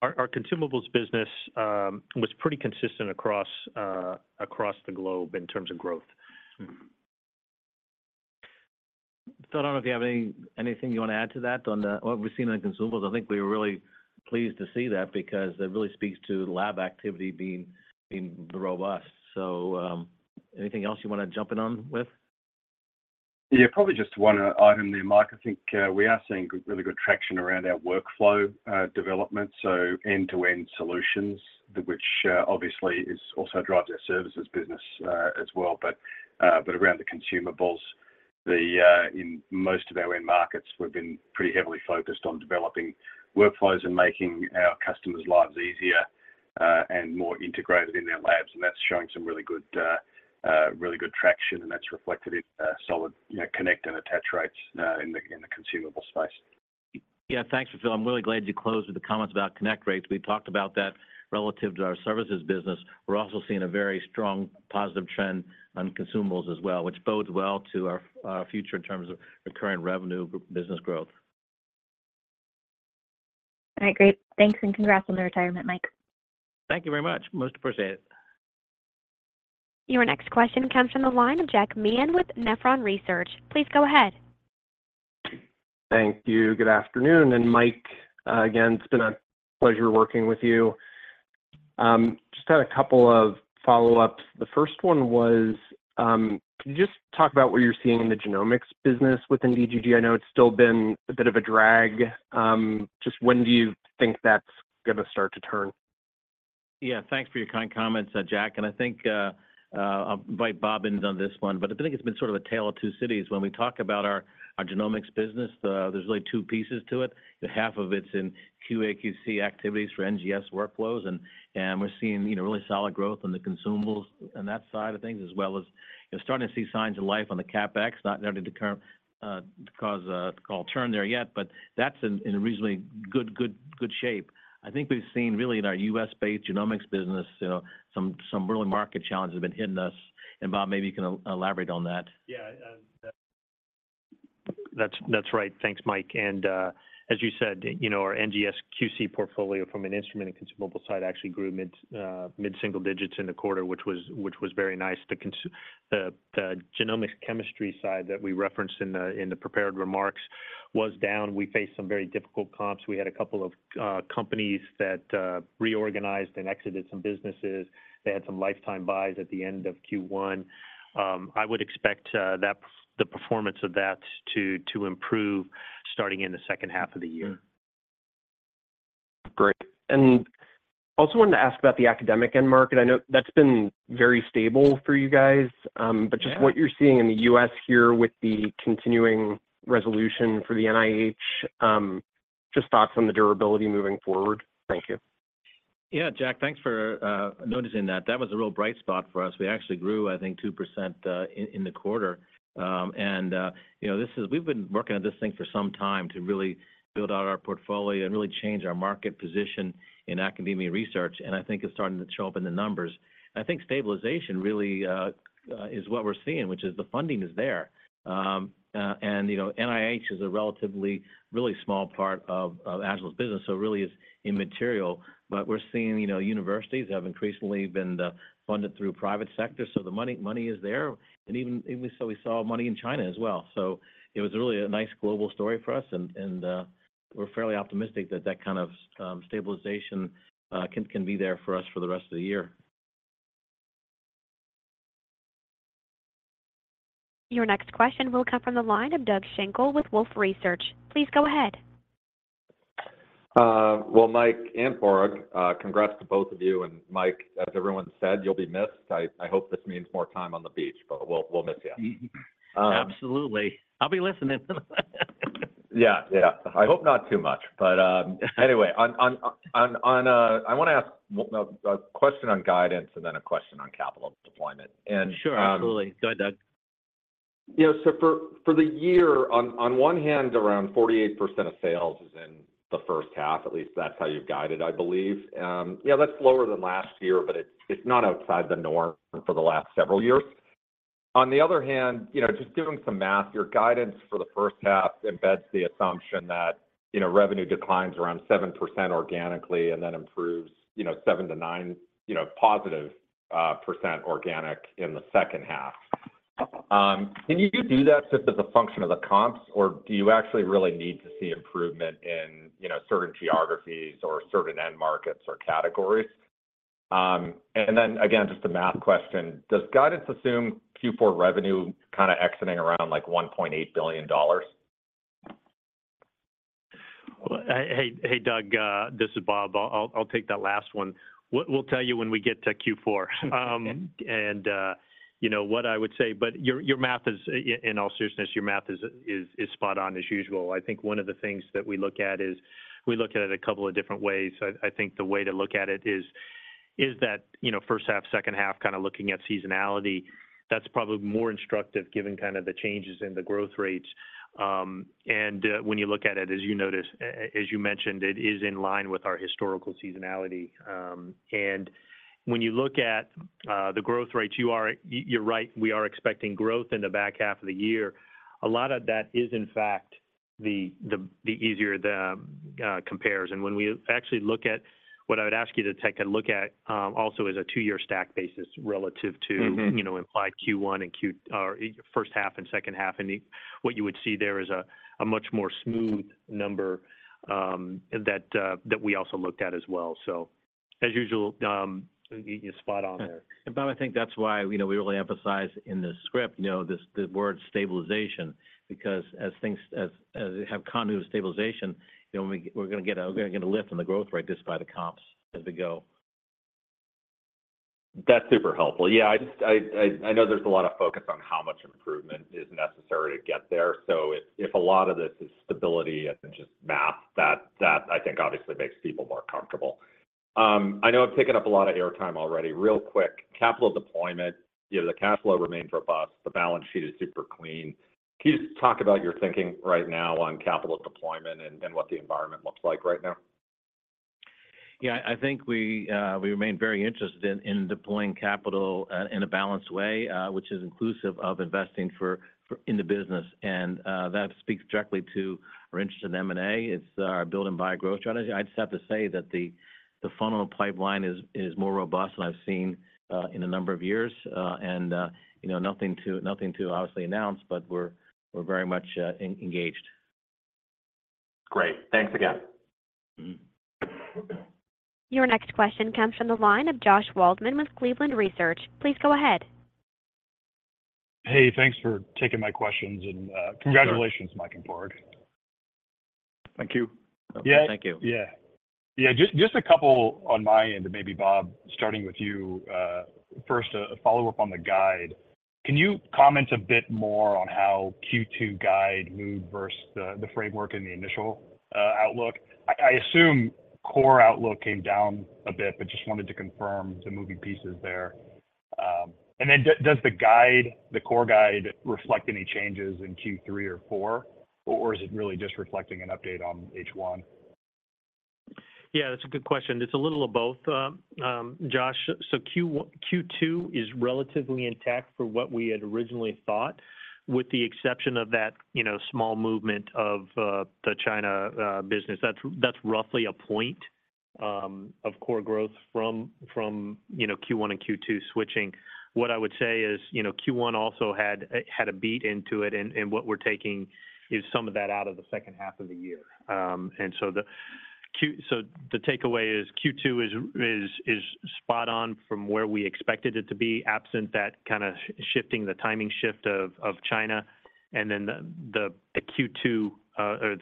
Our Consumables business was pretty consistent across the globe in terms of growth. Todd, I don't know if you have anything you want to add to that on what we've seen on Consumables. I think we were really pleased to see that because that really speaks to lab activity being robust. So anything else you want to jump in on with? Yeah. Probably just one item there, Mike. I think we are seeing really good traction around our workflow development, so end-to-end solutions, which obviously also drives our services business as well. But around the Consumables, in most of our end markets, we've been pretty heavily focused on developing workflows and making our customers' lives easier and more integrated in their labs. And that's showing some really good traction. And that's reflected in solid connect and attach rates in the consumable space. Yeah. Thanks, Phil. I'm really glad you closed with the comments about connect rates. We've talked about that relative to our services business. We're also seeing a very strong positive trend on Consumables as well, which bodes well to our future in terms of recurring revenue business growth. All right. Great. Thanks and congrats on the retirement, Mike. Thank you very much. Most appreciate it. Your next question comes from the line of Jack Meehan with Nephron Research. Please go ahead. Thank you. Good afternoon. Mike, again, it's been a pleasure working with you. Just had a couple of follow-ups. The first one was, can you just talk about what you're seeing in the Genomics business within DGG? I know it's still been a bit of a drag. Just when do you think that's going to start to turn? Yeah. Thanks for your kind comments, Jack. And I think I'll invite Bob in on this one. But I think it's been sort of a tale of two cities. When we talk about our Genomics business, there's really two pieces to it. Half of it's in QA/QC activities for NGS workflows. And we're seeing really solid growth on the Consumables on that side of things, as well as starting to see signs of life on the CapEx, not ready to call a turn there yet. But that's in reasonably good shape. I think we've seen really in our U.S.-based Genomics business, some early market challenges have been hitting us. And Bob, maybe you can elaborate on that. Yeah. That's right. Thanks, Mike. And as you said, our NGS QC portfolio from an instrument and consumable side actually grew mid-single digits in the quarter, which was very nice. The Genomics chemistry side that we referenced in the prepared remarks was down. We faced some very difficult comps. We had a couple of companies that reorganized and exited some businesses. They had some lifetime buys at the end of Q1. I would expect the performance of that to improve starting in the H2 of the year. Great. And also wanted to ask about the academic end market. I know that's been very stable for you guys. But just what you're seeing in the U.S. here with the continuing resolution for the NIH, just thoughts on the durability moving forward. Thank you. Yeah, Jack, thanks for noticing that. That was a real bright spot for us. We actually grew, I think, 2% in the quarter. And we've been working on this thing for some time to really build out our portfolio and really change our market position in academia research. And I think it's starting to show up in the numbers. I think stabilization really is what we're seeing, which is the funding is there. And NIH is a relatively really small part of Agilent's business, so really is immaterial. But we're seeing universities have increasingly been funded through private sector. So the money is there. And even so we saw money in China as well. So it was really a nice global story for us. And we're fairly optimistic that that kind of stabilization can be there for us for the rest of the year. Your next question will come from the line of Doug Schenkel with Wolfe Research. Please go ahead. Well, Mike and Padraig, congrats to both of you. Mike, as everyone said, you'll be missed. I hope this means more time on the beach, but we'll miss you. Absolutely. I'll be listening. Yeah. Yeah. I hope not too much. But anyway, I want to ask a question on guidance and then a question on capital deployment. And. Sure. Absolutely. Go ahead, Doug. So for the year, on one hand, around 48% of sales is in the H1. At least that's how you've guided, I believe. Yeah, that's lower than last year, but it's not outside the norm for the last several years. On the other hand, just doing some math, your guidance for the H1 embeds the assumption that revenue declines around 7% organically and then improves 7%-9% organic in the H2. Can you do that just as a function of the comps, or do you actually really need to see improvement in certain geographies or certain end markets or categories? And then again, just a math question. Does guidance assume Q4 revenue kind of exiting around $1.8 billion? Well, hey, Doug, this is Bob. I'll take that last one. We'll tell you when we get to Q4 and what I would say. But your math is, in all seriousness, your math is spot on as usual. I think one of the things that we look at is we look at it a couple of different ways. I think the way to look at it is that H1, H2, kind of looking at seasonality. That's probably more instructive given kind of the changes in the growth rates. And when you look at it, as you notice, as you mentioned, it is in line with our historical seasonality. And when you look at the growth rates, you're right. We are expecting growth in the back half of the year. A lot of that is, in fact, the easier the compares. When we actually look at what I would ask you to take a look at also is a two-year stack basis relative to implied Q1 and H1 and H2. What you would see there is a much more smooth number that we also looked at as well. As usual, you're spot on there. Bob, I think that's why we really emphasize in this script the word stabilization because as things have continuous stabilization, we're going to get a lift in the growth rate just by the comps as we go. That's super helpful. Yeah. I know there's a lot of focus on how much improvement is necessary to get there. So if a lot of this is stability and just math, that I think obviously makes people more comfortable. I know I've taken up a lot of airtime already. Real quick, capital deployment. The cash flow remained robust. The balance sheet is super clean. Can you just talk about your thinking right now on capital deployment and what the environment looks like right now? Yeah. I think we remain very interested in deploying capital in a balanced way, which is inclusive of investing in the business. And that speaks directly to our interest in M&A. It's our build-and-buy growth strategy. I'd just have to say that the funnel pipeline is more robust than I've seen in a number of years. And nothing to obviously announce, but we're very much engaged. Great. Thanks again. Your next question comes from the line of Josh Waldman with Cleveland Research. Please go ahead. Hey, thanks for taking my questions. Congratulations, Mike and Padraig. Thank you. Yeah. Thank you. Yeah. Yeah. Just a couple on my end, and maybe Bob, starting with you. First, a follow-up on the guide. Can you comment a bit more on how Q2 guide moved versus the framework in the initial outlook? I assume core outlook came down a bit, but just wanted to confirm the moving pieces there. And then does the core guide reflect any changes in Q3 or four, or is it really just reflecting an update on H1? Yeah. That's a good question. It's a little of both. Josh, so Q2 is relatively intact for what we had originally thought, with the exception of that small movement of the China business. That's roughly a point of core growth from Q1 and Q2 switching. What I would say is Q1 also had a beat into it. What we're taking is some of that out of the H2 of the year. And so the takeaway is Q2 is spot on from where we expected it to be, absent that kind of shifting the timing shift of China. And then the Q2 or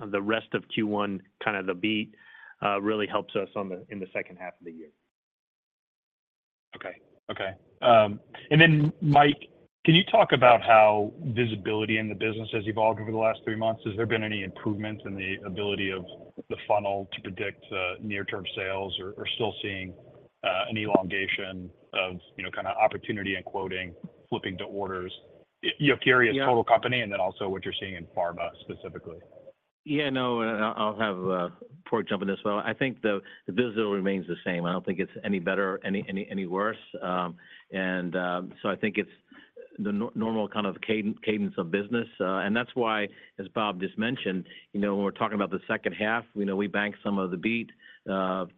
the rest of Q1, kind of the beat, really helps us in the H2 of the year. Okay. Okay. And then, Mike, can you talk about how visibility in the business has evolved over the last three months? Has there been any improvement in the ability of the funnel to predict near-term sales or still seeing an elongation of kind of opportunity and quoting, flipping to orders? You have clarity as total company and then also what you're seeing in Pharma specifically. Yeah. No. And I'll have Parmeet jump in as well. I think the visibility remains the same. I don't think it's any better, any worse. And so I think it's the normal kind of cadence of business. And that's why, as Bob just mentioned, when we're talking about the H2, we bank some of the beat to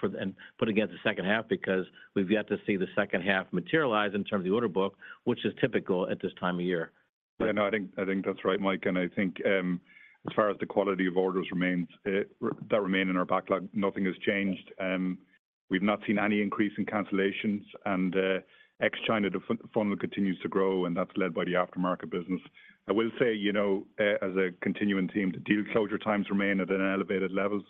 put against the H2 because we've yet to see the H2 materialize in terms of the order book, which is typical at this time of year. Yeah. No. I think that's right, Mike. And I think as far as the quality of orders remains, that remain in our backlog. Nothing has changed. We've not seen any increase in cancellations. And ex-China funnel continues to grow. And that's led by the aftermarket business. I will say, as a continuing team, the deal closure times remain at elevated levels.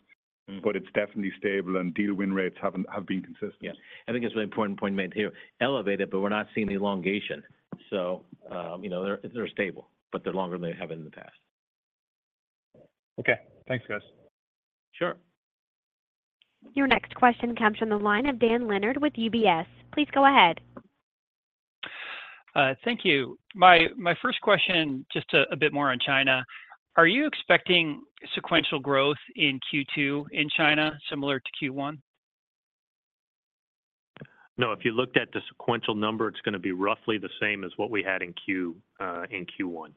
But it's definitely stable. And deal win rates have been consistent. Yeah. I think it's an important point made here. Elevated, but we're not seeing elongation. So they're stable, but they're longer than they have in the past. Okay. Thanks, guys. Sure. Your next question comes from the line of Dan Leonard with UBS. Please go ahead. Thank you. My first question, just a bit more on China. Are you expecting sequential growth in Q2 in China similar to Q1? No. If you looked at the sequential number, it's going to be roughly the same as what we had in Q1.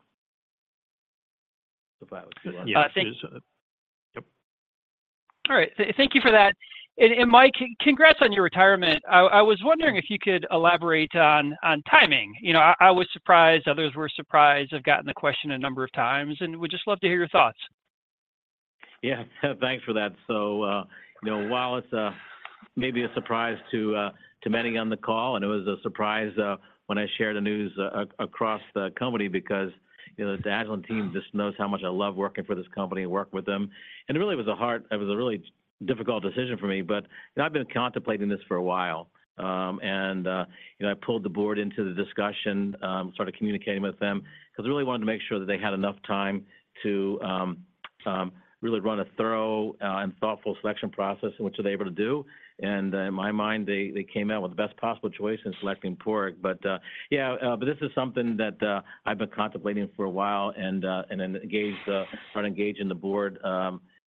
If I was to ask you this. Yeah. I think. Yep. All right. Thank you for that. And Mike, congrats on your retirement. I was wondering if you could elaborate on timing. I was surprised. Others were surprised. I've gotten the question a number of times. And we'd just love to hear your thoughts. Yeah. Thanks for that. So while it's maybe a surprise to many on the call, and it was a surprise when I shared the news across the company because the Agilent team just knows how much I love working for this company and work with them. And it really was a really difficult decision for me. But I've been contemplating this for a while. And I pulled the board into the discussion, started communicating with them because I really wanted to make sure that they had enough time to really run a thorough and thoughtful selection process in which they're able to do. And in my mind, they came out with the best possible choice in selecting Padraig. But yeah, but this is something that I've been contemplating for a while and started engaging the board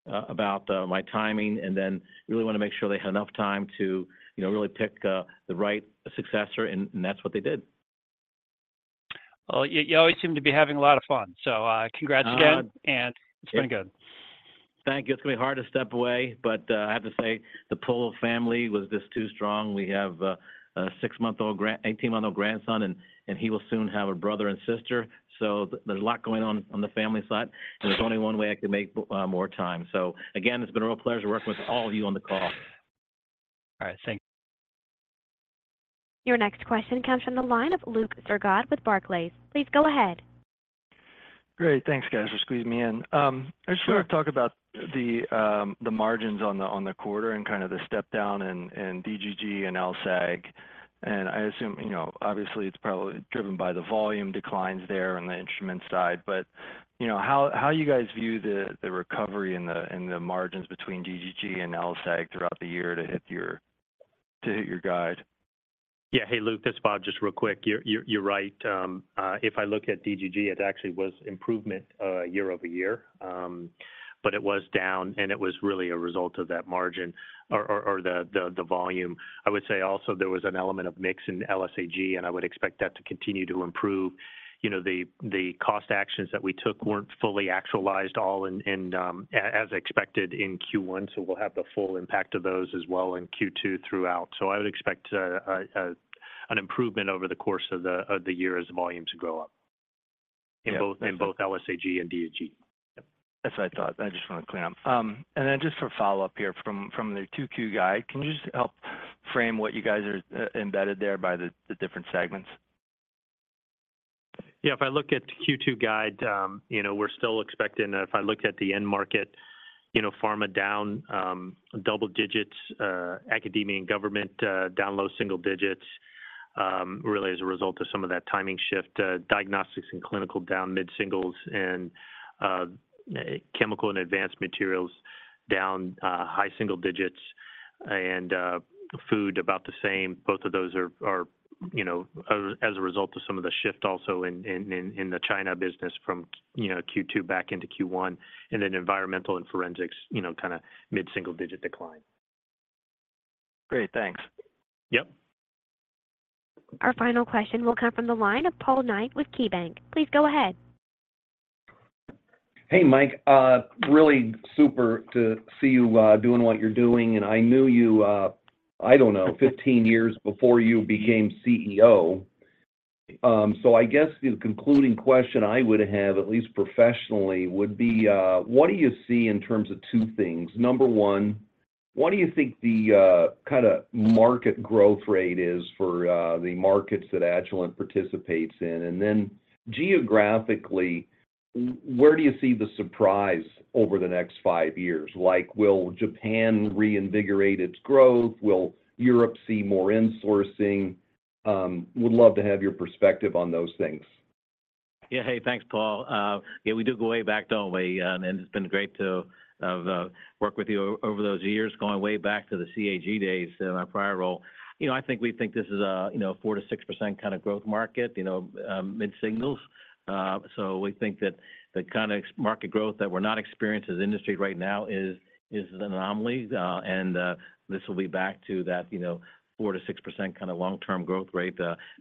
about my timing. And then really want to make sure they had enough time to really pick the right successor. That's what they did. Well, you always seem to be having a lot of fun. So congrats again. And it's been good. Thank you. It's going to be hard to step away. But I have to say, the pull of family was just too strong. We have a 6-month-old, 18-month-old grandson. And he will soon have a brother and sister. So there's a lot going on on the family side. And there's only one way I can make more time. So again, it's been a real pleasure working with all of you on the call. All right. Thank you. Your next question comes from the line of Luke Sergott with Barclays. Please go ahead. Great. Thanks, guys, for squeezing me in. I just want to talk about the margins on the quarter and kind of the stepdown and DGG and LSAG. I assume, obviously, it's probably driven by the volume declines there on the instrument side. But how do you guys view the recovery in the margins between DGG and LSAG throughout the year to hit your guide? Yeah. Hey, Luke, this is Bob just real quick. You're right. If I look at DGG, it actually was improvement year-over-year. But it was down. And it was really a result of that margin or the volume. I would say also there was an element of mix in LSAG. And I would expect that to continue to improve. The cost actions that we took weren't fully actualized all as expected in Q1. So we'll have the full impact of those as well in Q2 throughout. So I would expect an improvement over the course of the year as volumes grow up in both LSAG and DGG. That's what I thought. I just want to clear up. And then just for follow-up here from the 2Q guide, can you just help frame what you guys are embedded there by the different segments? Yeah. If I look at the Q2 guide, we're still expecting if I looked at the end market, Pharma down double digits, academia and government down low single digits really as a result of some of that timing shift. Diagnostics and clinical down mid-singles. Chemical and advanced materials down high single digits. Food about the same. Both of those are as a result of some of the shift also in the China business from Q2 back into Q1. Then environmental and forensics kind of mid-single digit decline. Great. Thanks. Yep. Our final question will come from the line of Paul Knight with KeyBanc. Please go ahead. Hey, Mike. Really super to see you doing what you're doing. I knew you, I don't know, 15 years before you became CEO. So I guess the concluding question I would have, at least professionally, would be, what do you see in terms of two things? Number one, what do you think the kind of market growth rate is for the markets that Agilent participates in? And then geographically, where do you see the surprise over the next 5 years? Will Japan reinvigorate its growth? Will Europe see more insourcing? Would love to have your perspective on those things. Yeah. Hey, thanks, Paul. Yeah. We do go way back, don't we? And it's been great to work with you over those years going way back to the CAG days in our prior role. I think we think this is a 4%-6% kind of growth market, mid-singles. So we think that the kind of market growth that we're not experiencing as the industry right now is an anomaly. And this will be back to that 4%-6% kind of long-term growth rate.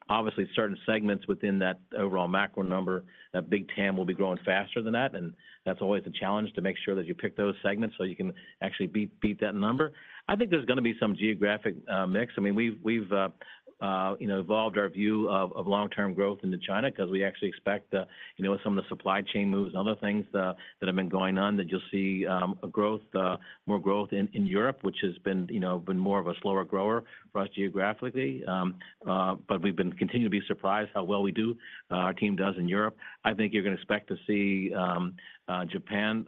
Obviously, certain segments within that overall macro number, that big TAM will be growing faster than that. And that's always a challenge to make sure that you pick those segments so you can actually beat that number. I think there's going to be some geographic mix. I mean, we've evolved our view of long-term growth into China because we actually expect with some of the supply chain moves and other things that have been going on that you'll see more growth in Europe, which has been more of a slower grower for us geographically. But we've been continued to be surprised how well we do, our team does in Europe. I think you're going to expect to see Japan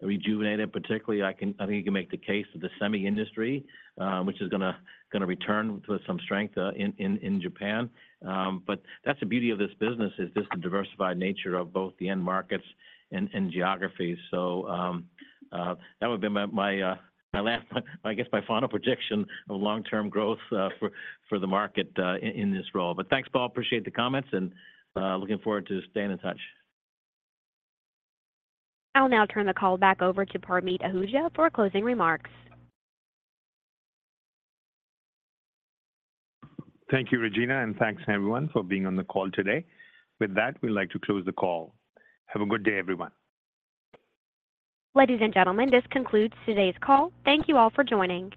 rejuvenate it particularly. I think you can make the case of the semi-industry, which is going to return with some strength in Japan. But that's the beauty of this business is just the diversified nature of both the end markets and geographies. So that would be my last, I guess, my final prediction of long-term growth for the market in this role. But thanks, Paul. Appreciate the comments. And looking forward to staying in touch. I'll now turn the call back over to Parmeet Ahuja for closing remarks. Thank you, Regina. Thanks, everyone, for being on the call today. With that, we'd like to close the call. Have a good day, everyone. Ladies and gentlemen, this concludes today's call. Thank you all for joining.